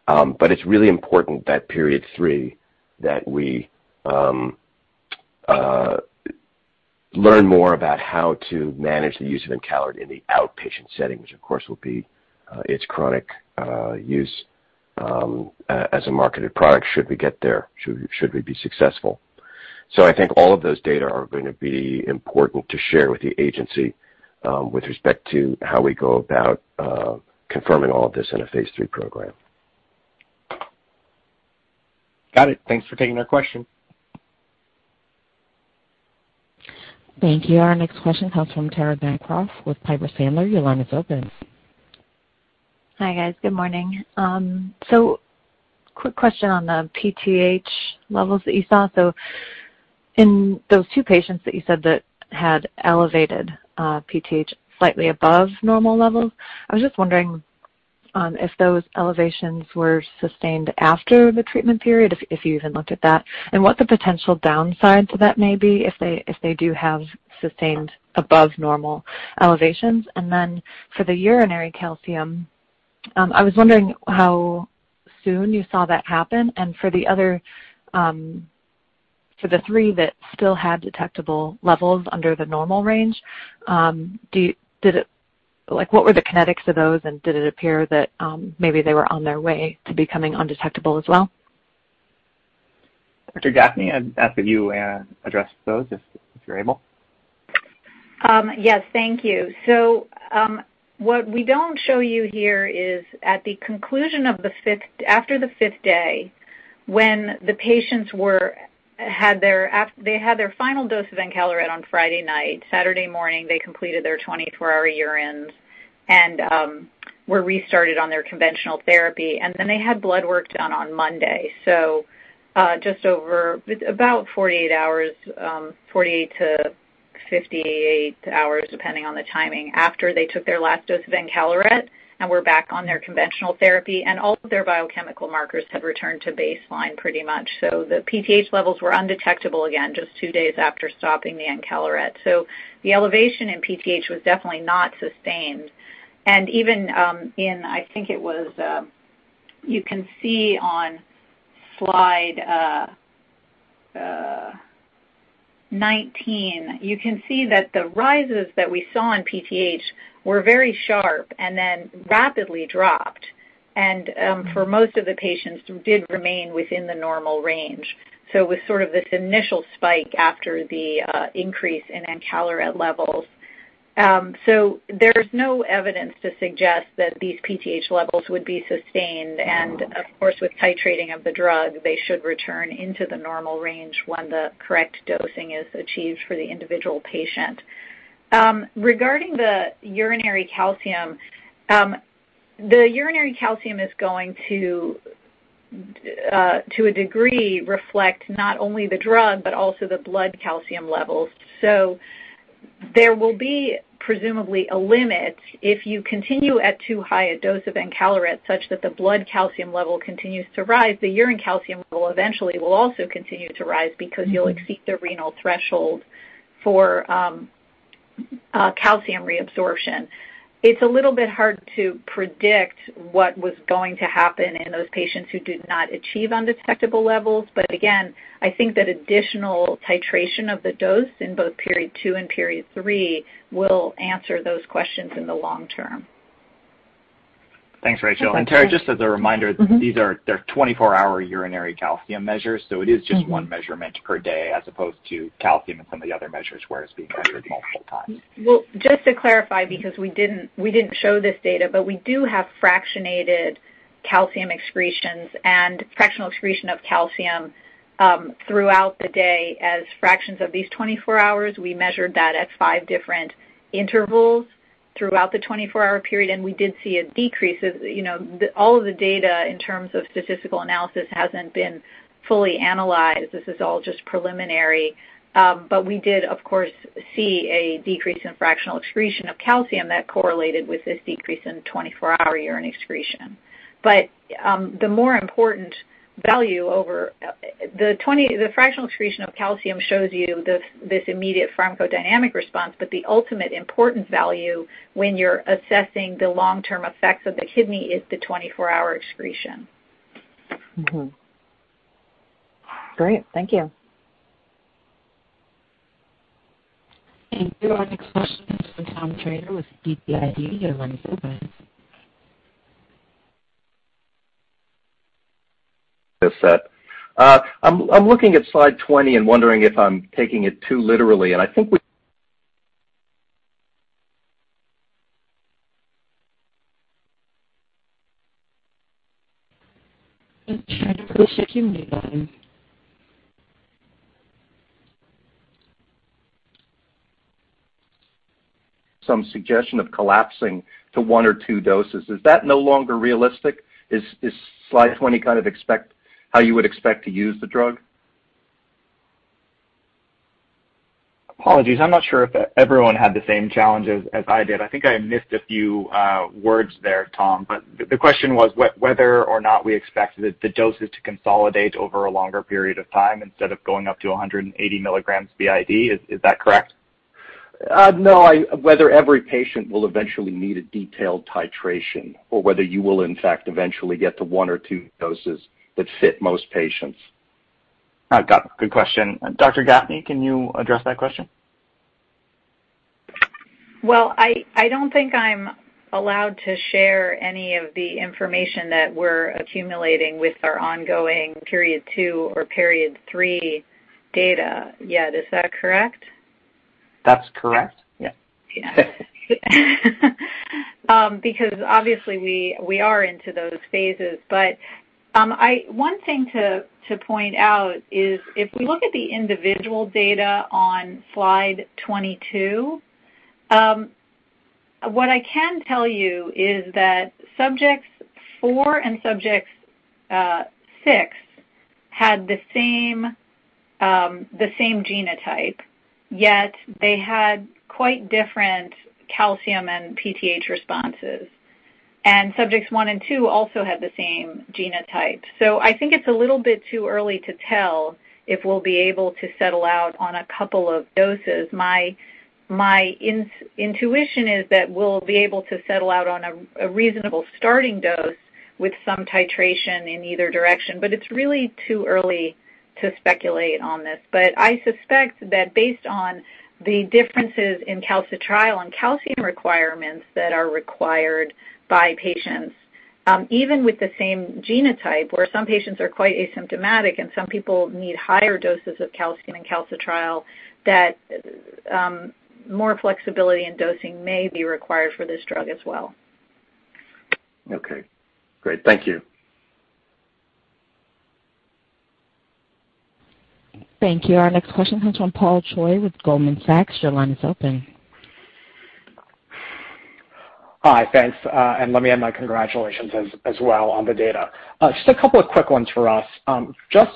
It's really important that Period 3, that we learn more about how to manage the use of encaleret in the outpatient setting, which, of course, will be its chronic use as a marketed product should we get there, should we be successful. I think all of those data are going to be important to share with the agency with respect to how we go about confirming all of this in a phase III program. Got it. Thanks for taking our question. Thank you. Our next question comes from Tara Bancroft with Piper Sandler. Your line is open. Hi, guys. Good morning. Quick question on the PTH levels that you saw. In those two patients that you said that had elevated PTH slightly above normal levels, I was just wondering if those elevations were sustained after the treatment period, if you even looked at that, and what the potential downsides of that may be if they do have sustained above normal elevations. For the urinary calcium, I was wondering how soon you saw that happen. For the three that still had detectable levels under the normal range, what were the kinetics of those and did it appear that maybe they were on their way to becoming undetectable as well? Dr. Gafni, I'd ask that you address those if you're able. Yes. Thank you. What we don't show you here is after the 5th day, when the patients had their final dose of encaleret on Friday night. Saturday morning, they completed their 24-hour urines and were restarted on their conventional therapy. They had blood work done on Monday. Just over about 48-58 hours, depending on the timing after they took their last dose of encaleret and were back on their conventional therapy, all of their biochemical markers have returned to baseline pretty much. The PTH levels were undetectable again just two days after stopping the encaleret. The elevation in PTH was definitely not sustained. I think you can see on slide 19 that the rises that we saw in PTH were very sharp and then rapidly dropped, for most of the patients did remain within the normal range. It was sort of this initial spike after the increase in encaleret levels. There's no evidence to suggest that these PTH levels would be sustained, and of course, with titrating of the drug, they should return into the normal range when the correct dosing is achieved for the individual patient. Regarding the urinary calcium. The urinary calcium is going to a degree, reflect not only the drug but also the blood calcium levels. There will be presumably a limit if you continue at too high a dose of encaleret such that the blood calcium level continues to rise, the urine calcium level eventually will also continue to rise because you'll exceed the renal threshold for calcium reabsorption. It's a little bit hard to predict what was going to happen in those patients who did not achieve undetectable levels. Again, I think that additional titration of the dose in both Period 2 and Period 3 will answer those questions in the long term. Thanks, Rachel. Tara, just as a reminder, these are 24-hour urinary calcium measures, so it is just one measurement per day as opposed to calcium and some of the other measures where it's being measured multiple times. Well, just to clarify, because we didn't show this data, but we do have fractionated calcium excretions and fractional excretion of calcium throughout the day as fractions of these 24 hours. We measured that at five different intervals throughout the 24-hour period, and we did see a decrease. All of the data in terms of statistical analysis hasn't been fully analyzed. This is all just preliminary. We did, of course, see a decrease in fractional excretion of calcium that correlated with this decrease in 24-hour urine excretion. The fractional excretion of calcium shows you this immediate pharmacodynamic response, but the ultimate important value when you're assessing the long-term effects of the kidney is the 24-hour excretion. Mm-hmm. Great. Thank you. Thank you. Our next question is from Tom Shrader with BTIG. Your line is open. This set. I'm looking at slide 20 and wondering if I'm taking it too literally. Some suggestion of collapsing to one or two doses. Is that no longer realistic? Is slide 20 kind of how you would expect to use the drug? Apologies. I'm not sure if everyone had the same challenge as I did. I think I missed a few words there, Tom. The question was whether or not we expected the doses to consolidate over a longer period of time instead of going up to 180 mg BID. Is that correct? No, whether every patient will eventually need a detailed titration or whether you will in fact eventually get to one or two doses that fit most patients. I've got the question. Dr. Gafni, can you address that question? I don't think I'm allowed to share any of the information that we're accumulating with our ongoing Period 2 or Period 3 data yet. Is that correct? That's correct. Yeah. Yeah. Obviously we are into those phases. One thing to point out is if we look at the individual data on slide 22, what I can tell you is that Subjects 4 and Subjects 6 had the same genotype, yet they had quite different calcium and PTH responses. Subjects 1 and 2 also had the same genotype. I think it's a little bit too early to tell if we'll be able to settle out on a couple of doses. My intuition is that we'll be able to settle out on a reasonable starting dose with some titration in either direction, but it's really too early to speculate on this. I suspect that based on the differences in calcitriol and calcium requirements that are required by patients, even with the same genotype, where some patients are quite asymptomatic and some people need higher doses of calcium and calcitriol, that more flexibility in dosing may be required for this drug as well. Okay, great. Thank you. Thank you. Our next question comes from Paul Choi with Goldman Sachs. Your line is open. Hi, thanks. Let me add my congratulations as well on the data. Just a couple of quick ones for us. Just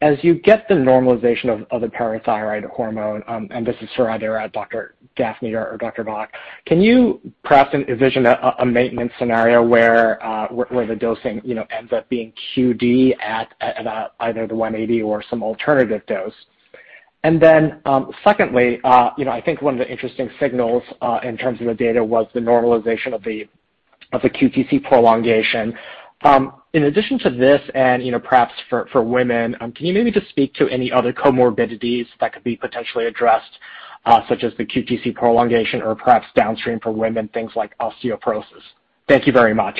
as you get the normalization of the parathyroid hormone, and this is for either Dr. Gafni or Dr. Fox, can you perhaps envision a maintenance scenario where the dosing ends up being QD at either the 180 mg or some alternative dose? Secondly, I think one of the interesting signals in terms of the data was the normalization of the QTc prolongation. In addition to this, and perhaps for women, can you maybe just speak to any other comorbidities that could be potentially addressed, such as the QTc prolongation or perhaps downstream for women, things like osteoporosis? Thank you very much.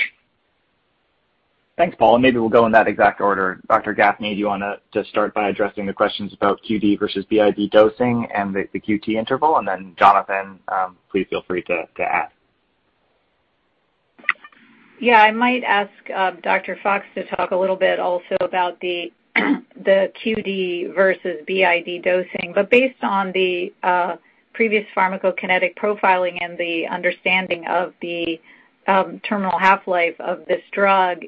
Thanks, Paul, maybe we'll go in that exact order. Dr. Gafni, do you want to start by addressing the questions about QD versus BID dosing and the QT interval? Then Jonathan, please feel free to add. Yeah, I might ask Dr. Fox to talk a little bit also about the QD versus BID dosing. Based on the previous pharmacokinetic profiling and the understanding of the terminal half-life of this drug,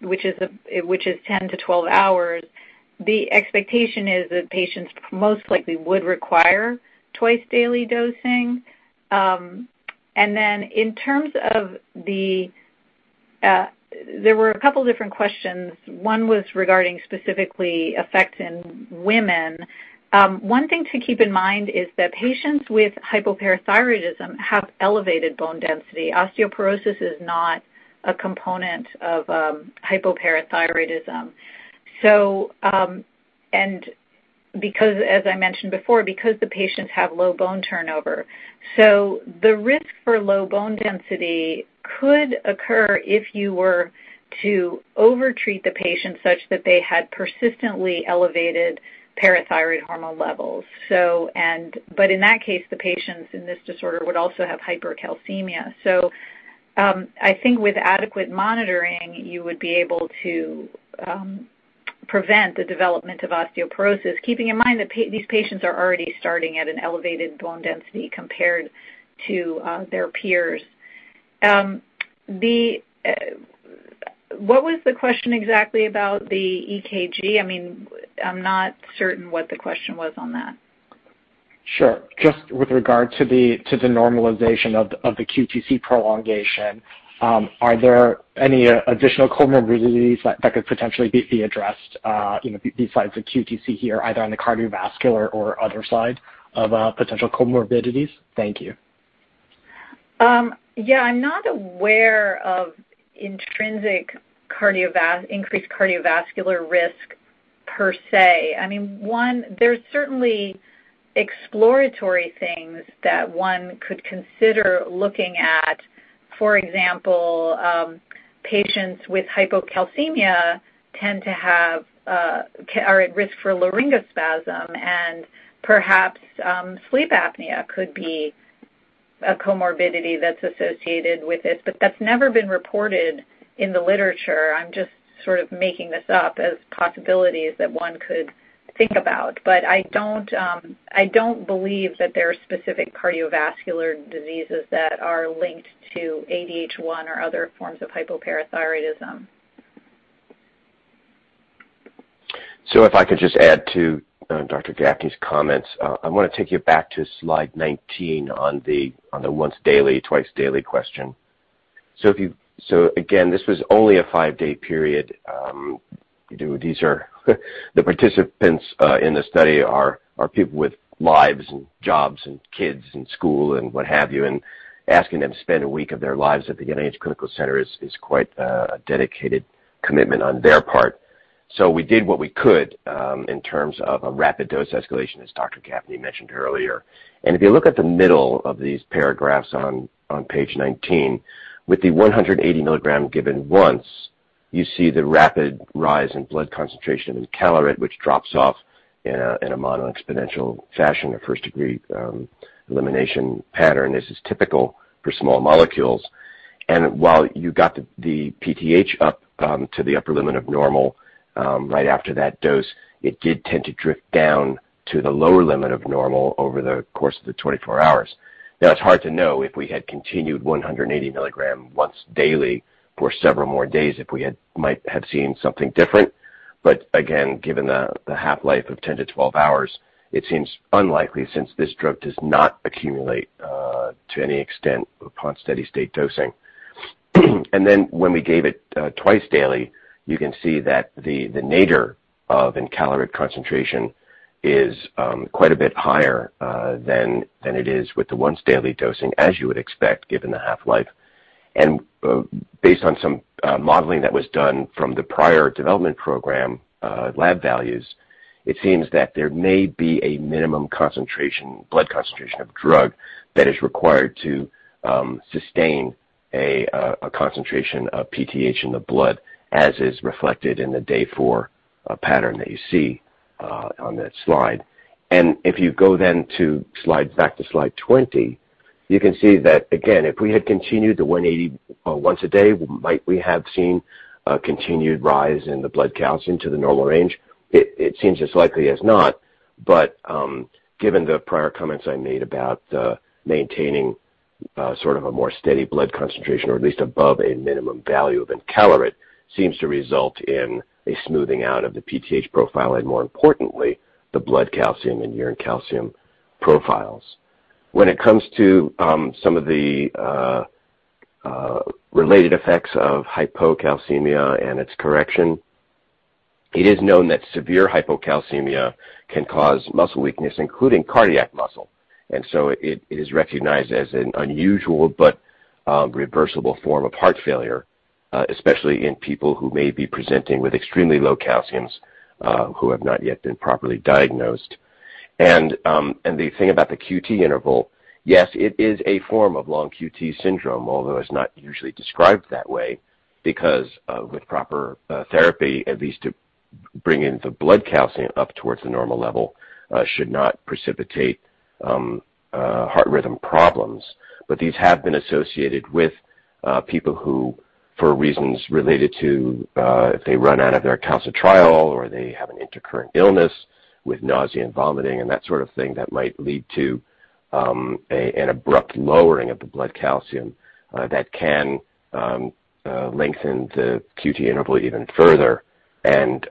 which is 10-12 hours, the expectation is that patients most likely would require twice-daily dosing. In terms of There were a couple different questions. One was regarding specifically effects in women. One thing to keep in mind is that patients with hypoparathyroidism have elevated bone density. Osteoporosis is not a component of hypoparathyroidism. As I mentioned before, because the patients have low bone turnover. The risk for low bone density could occur if you were to over-treat the patient such that they had persistently elevated parathyroid hormone levels. In that case, the patients in this disorder would also have hypercalcemia. I think with adequate monitoring, you would be able to prevent the development of osteoporosis, keeping in mind that these patients are already starting at an elevated bone density compared to their peers. What was the question exactly about the EKG? I am not certain what the question was on that. Sure. Just with regard to the normalization of the QTc prolongation, are there any additional comorbidities that could potentially be addressed besides the QTc here, either on the cardiovascular or other side of potential comorbidities? Thank you. Yeah. I'm not aware of intrinsic increased cardiovascular risk per se. There's certainly exploratory things that one could consider looking at. For example, patients with hypocalcemia are at risk for laryngospasm and perhaps sleep apnea could be a comorbidity that's associated with it. That's never been reported in the literature. I'm just sort of making this up as possibilities that one could think about. I don't believe that there are specific cardiovascular diseases that are linked to ADH1 or other forms of hypoparathyroidism. If I could just add to Dr. Gafni's comments. I want to take you back to slide 19 on the once daily, twice daily question. Again, this was only a five-day period. The participants in the study are people with lives and jobs and kids and school and what have you, and asking them to spend a week of their lives at the NIH Clinical Center is quite a dedicated commitment on their part. We did what we could in terms of a rapid dose escalation, as Dr. Gafni mentioned earlier. If you look at the middle of these paragraphs on page 19, with the 180 mg given once, you see the rapid rise in blood concentration of encaleret, which drops off in a monoexponential fashion, a first-degree elimination pattern. This is typical for small molecules. While you got the PTH up to the upper limit of normal right after that dose, it did tend to drift down to the lower limit of normal over the course of the 24 hours. Now, it's hard to know if we had continued 180 mg once daily for several more days if we might have seen something different. Again, given the half-life of 10-12 hours, it seems unlikely since this drug does not accumulate to any extent upon steady-state dosing. When we gave it twice daily, you can see that the nadir of encaleret concentration is quite a bit higher than it is with the once-daily dosing, as you would expect given the half-life. Based on some modeling that was done from the prior development program lab values, it seems that there may be a minimum blood concentration of drug that is required to sustain a concentration of PTH in the blood, as is reflected in the day 4 pattern that you see on that slide. If you go then back to slide 20, you can see that, again, if we had continued the 180 mg once a day, might we have seen a continued rise in the blood calcium to the normal range? It seems as likely as not, but given the prior comments I made about maintaining sort of a more steady blood concentration or at least above a minimum value of encaleret seems to result in a smoothing out of the PTH profile and, more importantly, the blood calcium and urine calcium profiles. When it comes to some of the related effects of hypocalcemia and its correction, it is known that severe hypocalcemia can cause muscle weakness, including cardiac muscle, and so it is recognized as an unusual but reversible form of heart failure, especially in people who may be presenting with extremely low calciums who have not yet been properly diagnosed. The thing about the QT interval, yes, it is a form of long QT syndrome, although it is not usually described that way because with proper therapy, at least to bring in the blood calcium up towards the normal level, should not precipitate heart rhythm problems. These have been associated with people who, for reasons related to if they run out of their calcitriol or they have an intercurrent illness with nausea and vomiting and that sort of thing, that might lead to an abrupt lowering of the blood calcium that can lengthen the QT interval even further and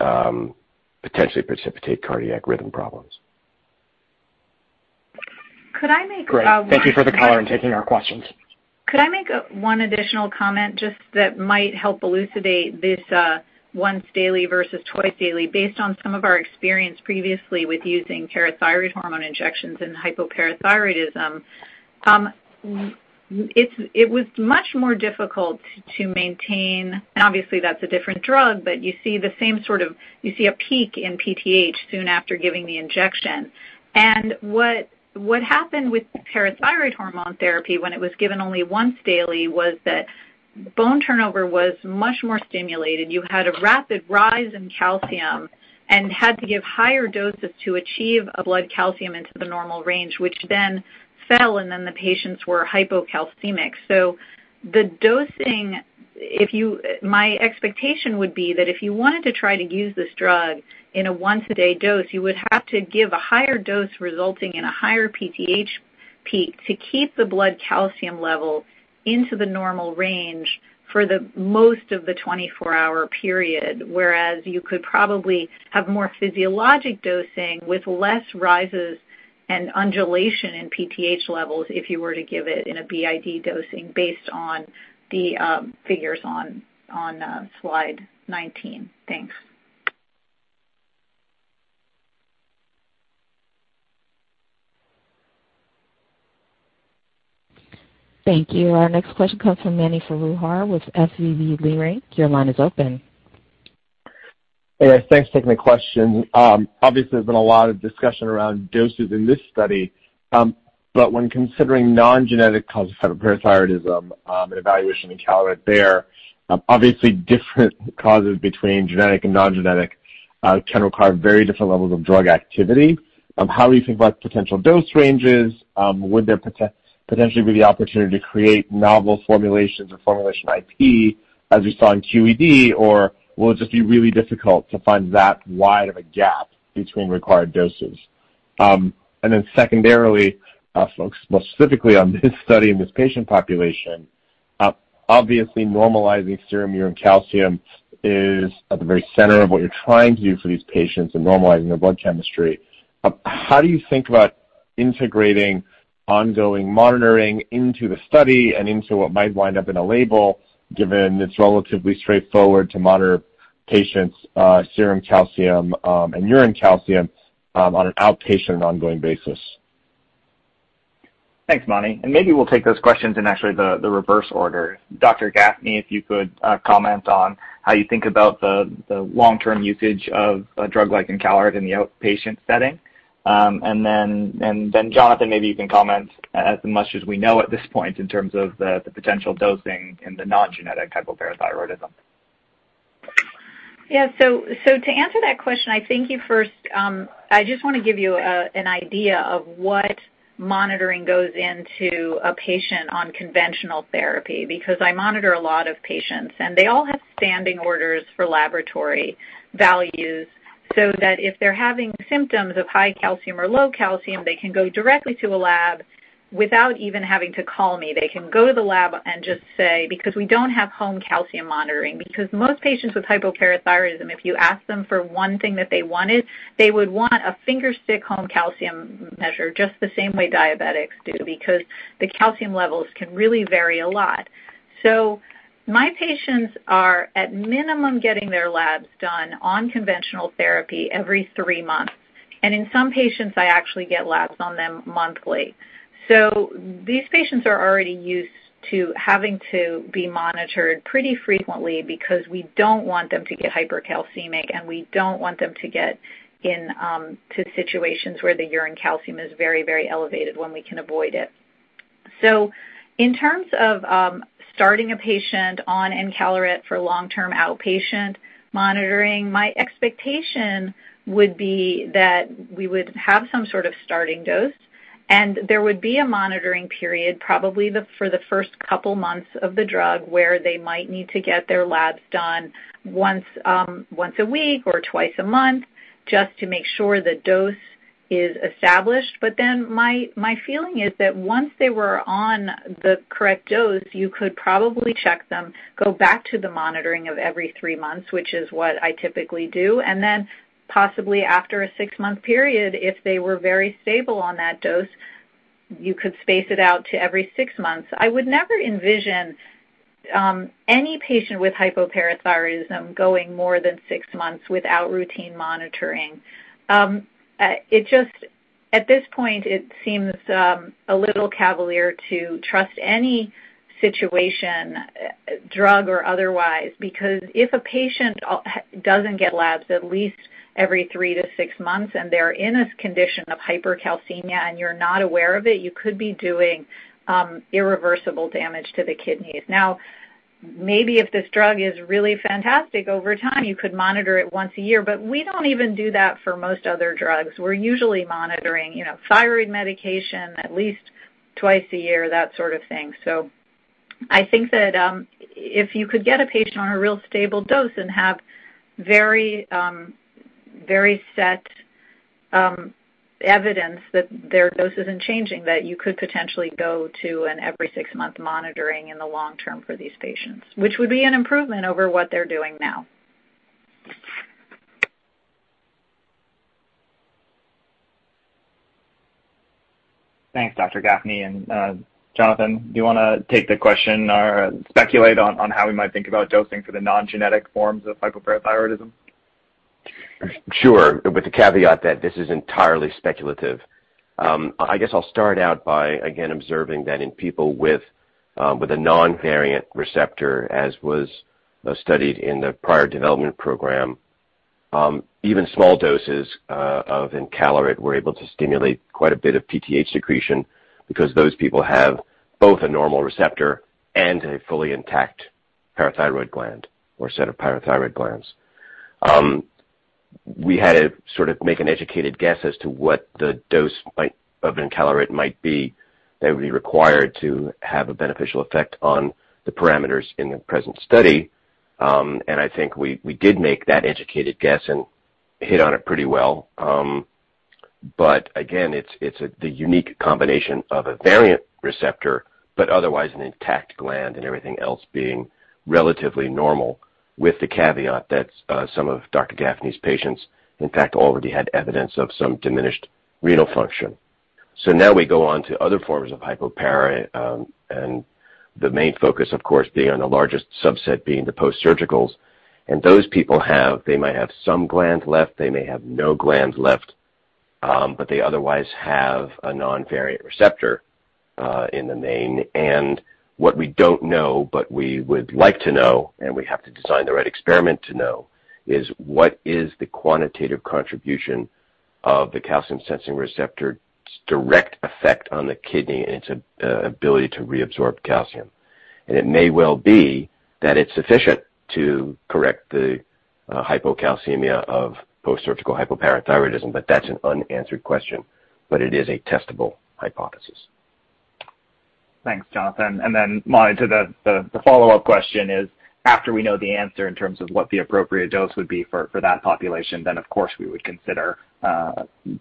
potentially precipitate cardiac rhythm problems. Could I make- Great. Thank you for the call and taking our questions. Could I make one additional comment just that might help elucidate this once daily versus twice daily based on some of our experience previously with using parathyroid hormone injections in hypoparathyroidism? It was much more difficult to maintain. Obviously, that's a different drug, but you see a peak in PTH soon after giving the injection. What happened with parathyroid hormone therapy when it was given only once daily was that bone turnover was much more stimulated. You had a rapid rise in calcium and had to give higher doses to achieve a blood calcium into the normal range, which then fell, and then the patients were hypocalcemic. My expectation would be that if you wanted to try to use this drug in a once-a-day dose, you would have to give a higher dose resulting in a higher PTH peak to keep the blood calcium level into the normal range for the most of the 24-hour period. Whereas you could probably have more physiologic dosing with less rises and undulation in PTH levels if you were to give it in a BID dosing based on the figures on slide 19. Thanks. Thank you. Our next question comes from Mani Foroohar with SVB Leerink. Your line is open. Yes. Thanks for taking the question. Obviously, there's been a lot of discussion around doses in this study. When considering non-genetic causes of hyperparathyroidism and evaluation of encaleret there, obviously different causes between genetic and non-genetic can require very different levels of drug activity. How are you thinking about potential dose ranges? Would there potentially be the opportunity to create novel formulations or formulation IP as we saw in QED, or will it just be really difficult to find that wide of a gap between required doses? Secondarily, more specifically on this study and this patient population, obviously normalizing serum urine calcium is at the very center of what you're trying to do for these patients and normalizing their blood chemistry. How do you think about integrating ongoing monitoring into the study and into what might wind up in a label, given it's relatively straightforward to monitor patients' serum calcium and urine calcium on an outpatient and ongoing basis. Thanks, Mani. Maybe we'll take those questions in actually the reverse order. Dr. Gafni, if you could comment on how you think about the long-term usage of a drug like encaleret in the outpatient setting. Jonathan, maybe you can comment as much as we know at this point in terms of the potential dosing in the non-genetic hypoparathyroidism. Yeah. To answer that question, I just want to give you an idea of what monitoring goes into a patient on conventional therapy, because I monitor a lot of patients, and they all have standing orders for laboratory values so that if they're having symptoms of high calcium or low calcium, they can go directly to a lab without even having to call me. They can go to the lab and just say, because we don't have home calcium monitoring, because most patients with hypoparathyroidism, if you ask them for one thing that they wanted, they would want a finger stick home calcium measure just the same way diabetics do, because the calcium levels can really vary a lot. My patients are at minimum getting their labs done on conventional therapy every three months, and in some patients, I actually get labs on them monthly. These patients are already used to having to be monitored pretty frequently because we don't want them to get hypercalcemic, and we don't want them to get into situations where the urine calcium is very, very elevated when we can avoid it. In terms of starting a patient on encaleret for long-term outpatient monitoring, my expectation would be that we would have some sort of starting dose, and there would be a monitoring period, probably for the first couple months of the drug, where they might need to get their labs done once a week or twice a month just to make sure the dose is established. My feeling is that once they were on the correct dose, you could probably check them, go back to the monitoring of every three months, which is what I typically do, and then possibly after a 6-month period, if they were very stable on that dose, you could space it out to every six months. I would never envision any patient with hypoparathyroidism going more than sixmonths without routine monitoring. At this point, it seems a little cavalier to trust any situation, drug or otherwise, because if a patient doesn't get labs at least every 3-6 months and they're in a condition of hypercalcemia and you're not aware of it, you could be doing irreversible damage to the kidneys. Maybe if this drug is really fantastic over time, you could monitor it once a year, but we don't even do that for most other drugs. We're usually monitoring thyroid medication at least twice a year, that sort of thing. I think that if you could get a patient on a real stable dose and have very set evidence that their dose isn't changing, that you could potentially go to an every six-month monitoring in the long term for these patients, which would be an improvement over what they're doing now. Thanks, Dr. Gafni. Jonathan, do you want to take the question or speculate on how we might think about dosing for the non-genetic forms of hypoparathyroidism? Sure. With the caveat that this is entirely speculative. I guess I'll start out by, again, observing that in people with a non-variant receptor, as was studied in the prior development program, even small doses of encaleret were able to stimulate quite a bit of PTH secretion because those people have both a normal receptor and a fully intact parathyroid gland or set of parathyroid glands. We had to sort of make an educated guess as to what the dose of encaleret might be that would be required to have a beneficial effect on the parameters in the present study. I think we did make that educated guess and hit on it pretty well. Again, it's the unique combination of a variant receptor, but otherwise an intact gland and everything else being relatively normal with the caveat that some of Dr. Gafni's patients, in fact, already had evidence of some diminished renal function. Now we go on to other forms of hypoparathyroidism, and the main focus, of course, being on the largest subset, being the post-surgicals. Those people have, they might have some gland left, they may have no gland left, but they otherwise have a non-variant receptor in the main. What we don't know, but we would like to know, and we have to design the right experiment to know is what is the quantitative contribution of the calcium-sensing receptor's direct effect on the kidney and its ability to reabsorb calcium. It may well be that it's sufficient to correct the hypocalcemia of post-surgical hypoparathyroidism, but that's an unanswered question, but it is a testable hypothesis. Thanks, Jonathan. Mani to the follow-up question is, after we know the answer in terms of what the appropriate dose would be for that population, then of course, we would consider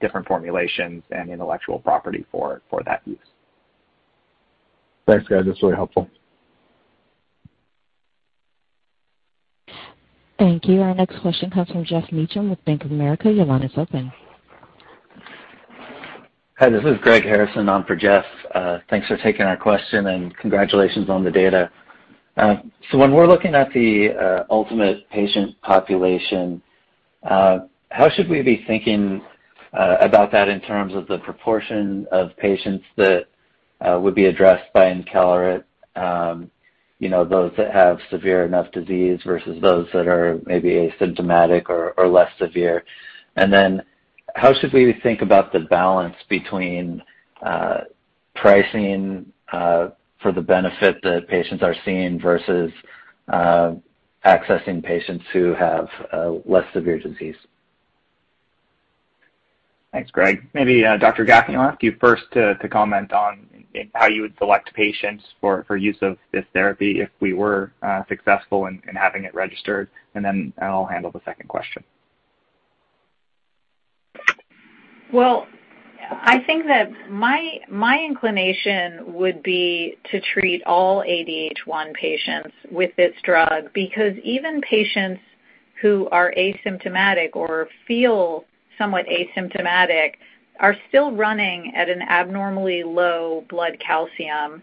different formulations and intellectual property for that use. Thanks, guys. That's really helpful. Thank you. Our next question comes from Geoff Meacham with Bank of America. Your line is open. Hi, this is Greg Harrison on for Geoff. Thanks for taking our question, and congratulations on the data. When we're looking at the ultimate patient population, how should we be thinking about that in terms of the proportion of patients that would be addressed by encaleret, those that have severe enough disease versus those that are maybe asymptomatic or less severe? How should we think about the balance between pricing for the benefit that patients are seeing versus accessing patients who have less severe disease? Thanks, Greg. Dr. Gafni, I'll ask you first to comment on how you would select patients for use of this therapy if we were successful in having it registered, and then I'll handle the second question. Well, I think that my inclination would be to treat all ADH1 patients with this drug, because even patients who are asymptomatic or feel somewhat asymptomatic are still running at an abnormally low blood calcium.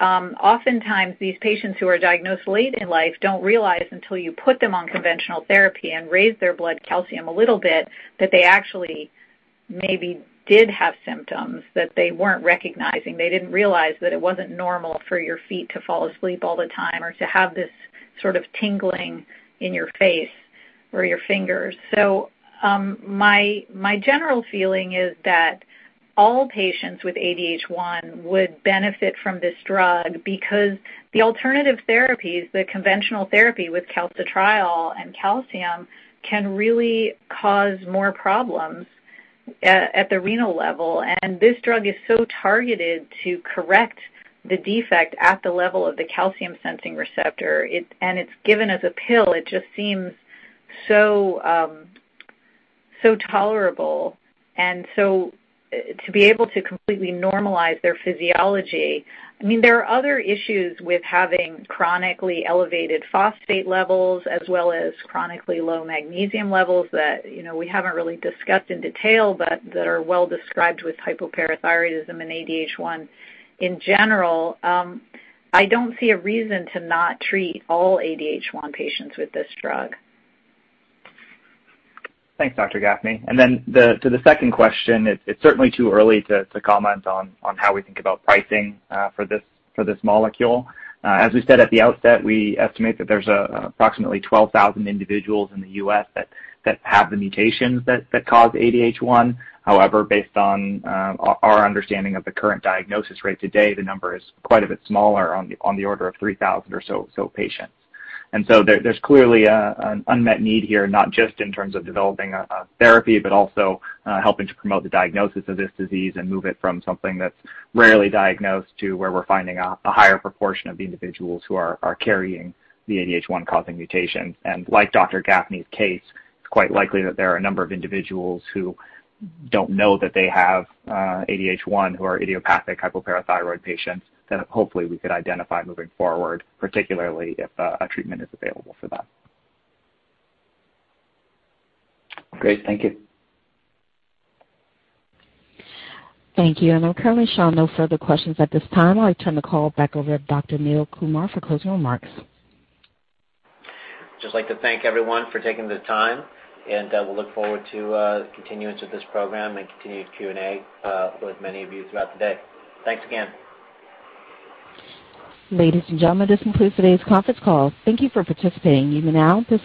Oftentimes, these patients who are diagnosed late in life don't realize until you put them on conventional therapy and raise their blood calcium a little bit, that they actually maybe did have symptoms that they weren't recognizing. They didn't realize that it wasn't normal for your feet to fall asleep all the time or to have this sort of tingling in your face or your fingers. My general feeling is that all patients with ADH1 would benefit from this drug because the alternative therapies, the conventional therapy with calcitriol and calcium, can really cause more problems at the renal level. This drug is so targeted to correct the defect at the level of the calcium-sensing receptor, and it's given as a pill, it just seems so tolerable and so to be able to completely normalize their physiology. There are other issues with having chronically elevated phosphate levels as well as chronically low magnesium levels that we haven't really discussed in detail, but that are well described with hypoparathyroidism and ADH1. In general, I don't see a reason to not treat all ADH1 patients with this drug. Thanks, Dr. Gafni. Then to the second question, it's certainly too early to comment on how we think about pricing for this molecule. As we said at the outset, we estimate that there's approximately 12,000 individuals in the U.S. that have the mutations that cause ADH1. However, based on our understanding of the current diagnosis rate today, the number is quite a bit smaller, on the order of 3,000 or so patients. So there's clearly an unmet need here, not just in terms of developing a therapy, but also helping to promote the diagnosis of this disease and move it from something that's rarely diagnosed to where we're finding a higher proportion of individuals who are carrying the ADH1-causing mutation. Like Dr. Gafni's case, it's quite likely that there are a number of individuals who don't know that they have ADH1, who are idiopathic hypoparathyroid patients, that hopefully we could identify moving forward, particularly if a treatment is available for them. Great. Thank you. Thank you. I'm currently showing no further questions at this time. I'll turn the call back over to Dr. Neil Kumar for closing remarks. just like to thank everyone for taking the time, and we look forward to the continuance of this program and continued Q&A with many of you throughout the day. Thanks again. Ladies and gentlemen, this concludes today's conference call. Thank you for participating. You may now disconnect.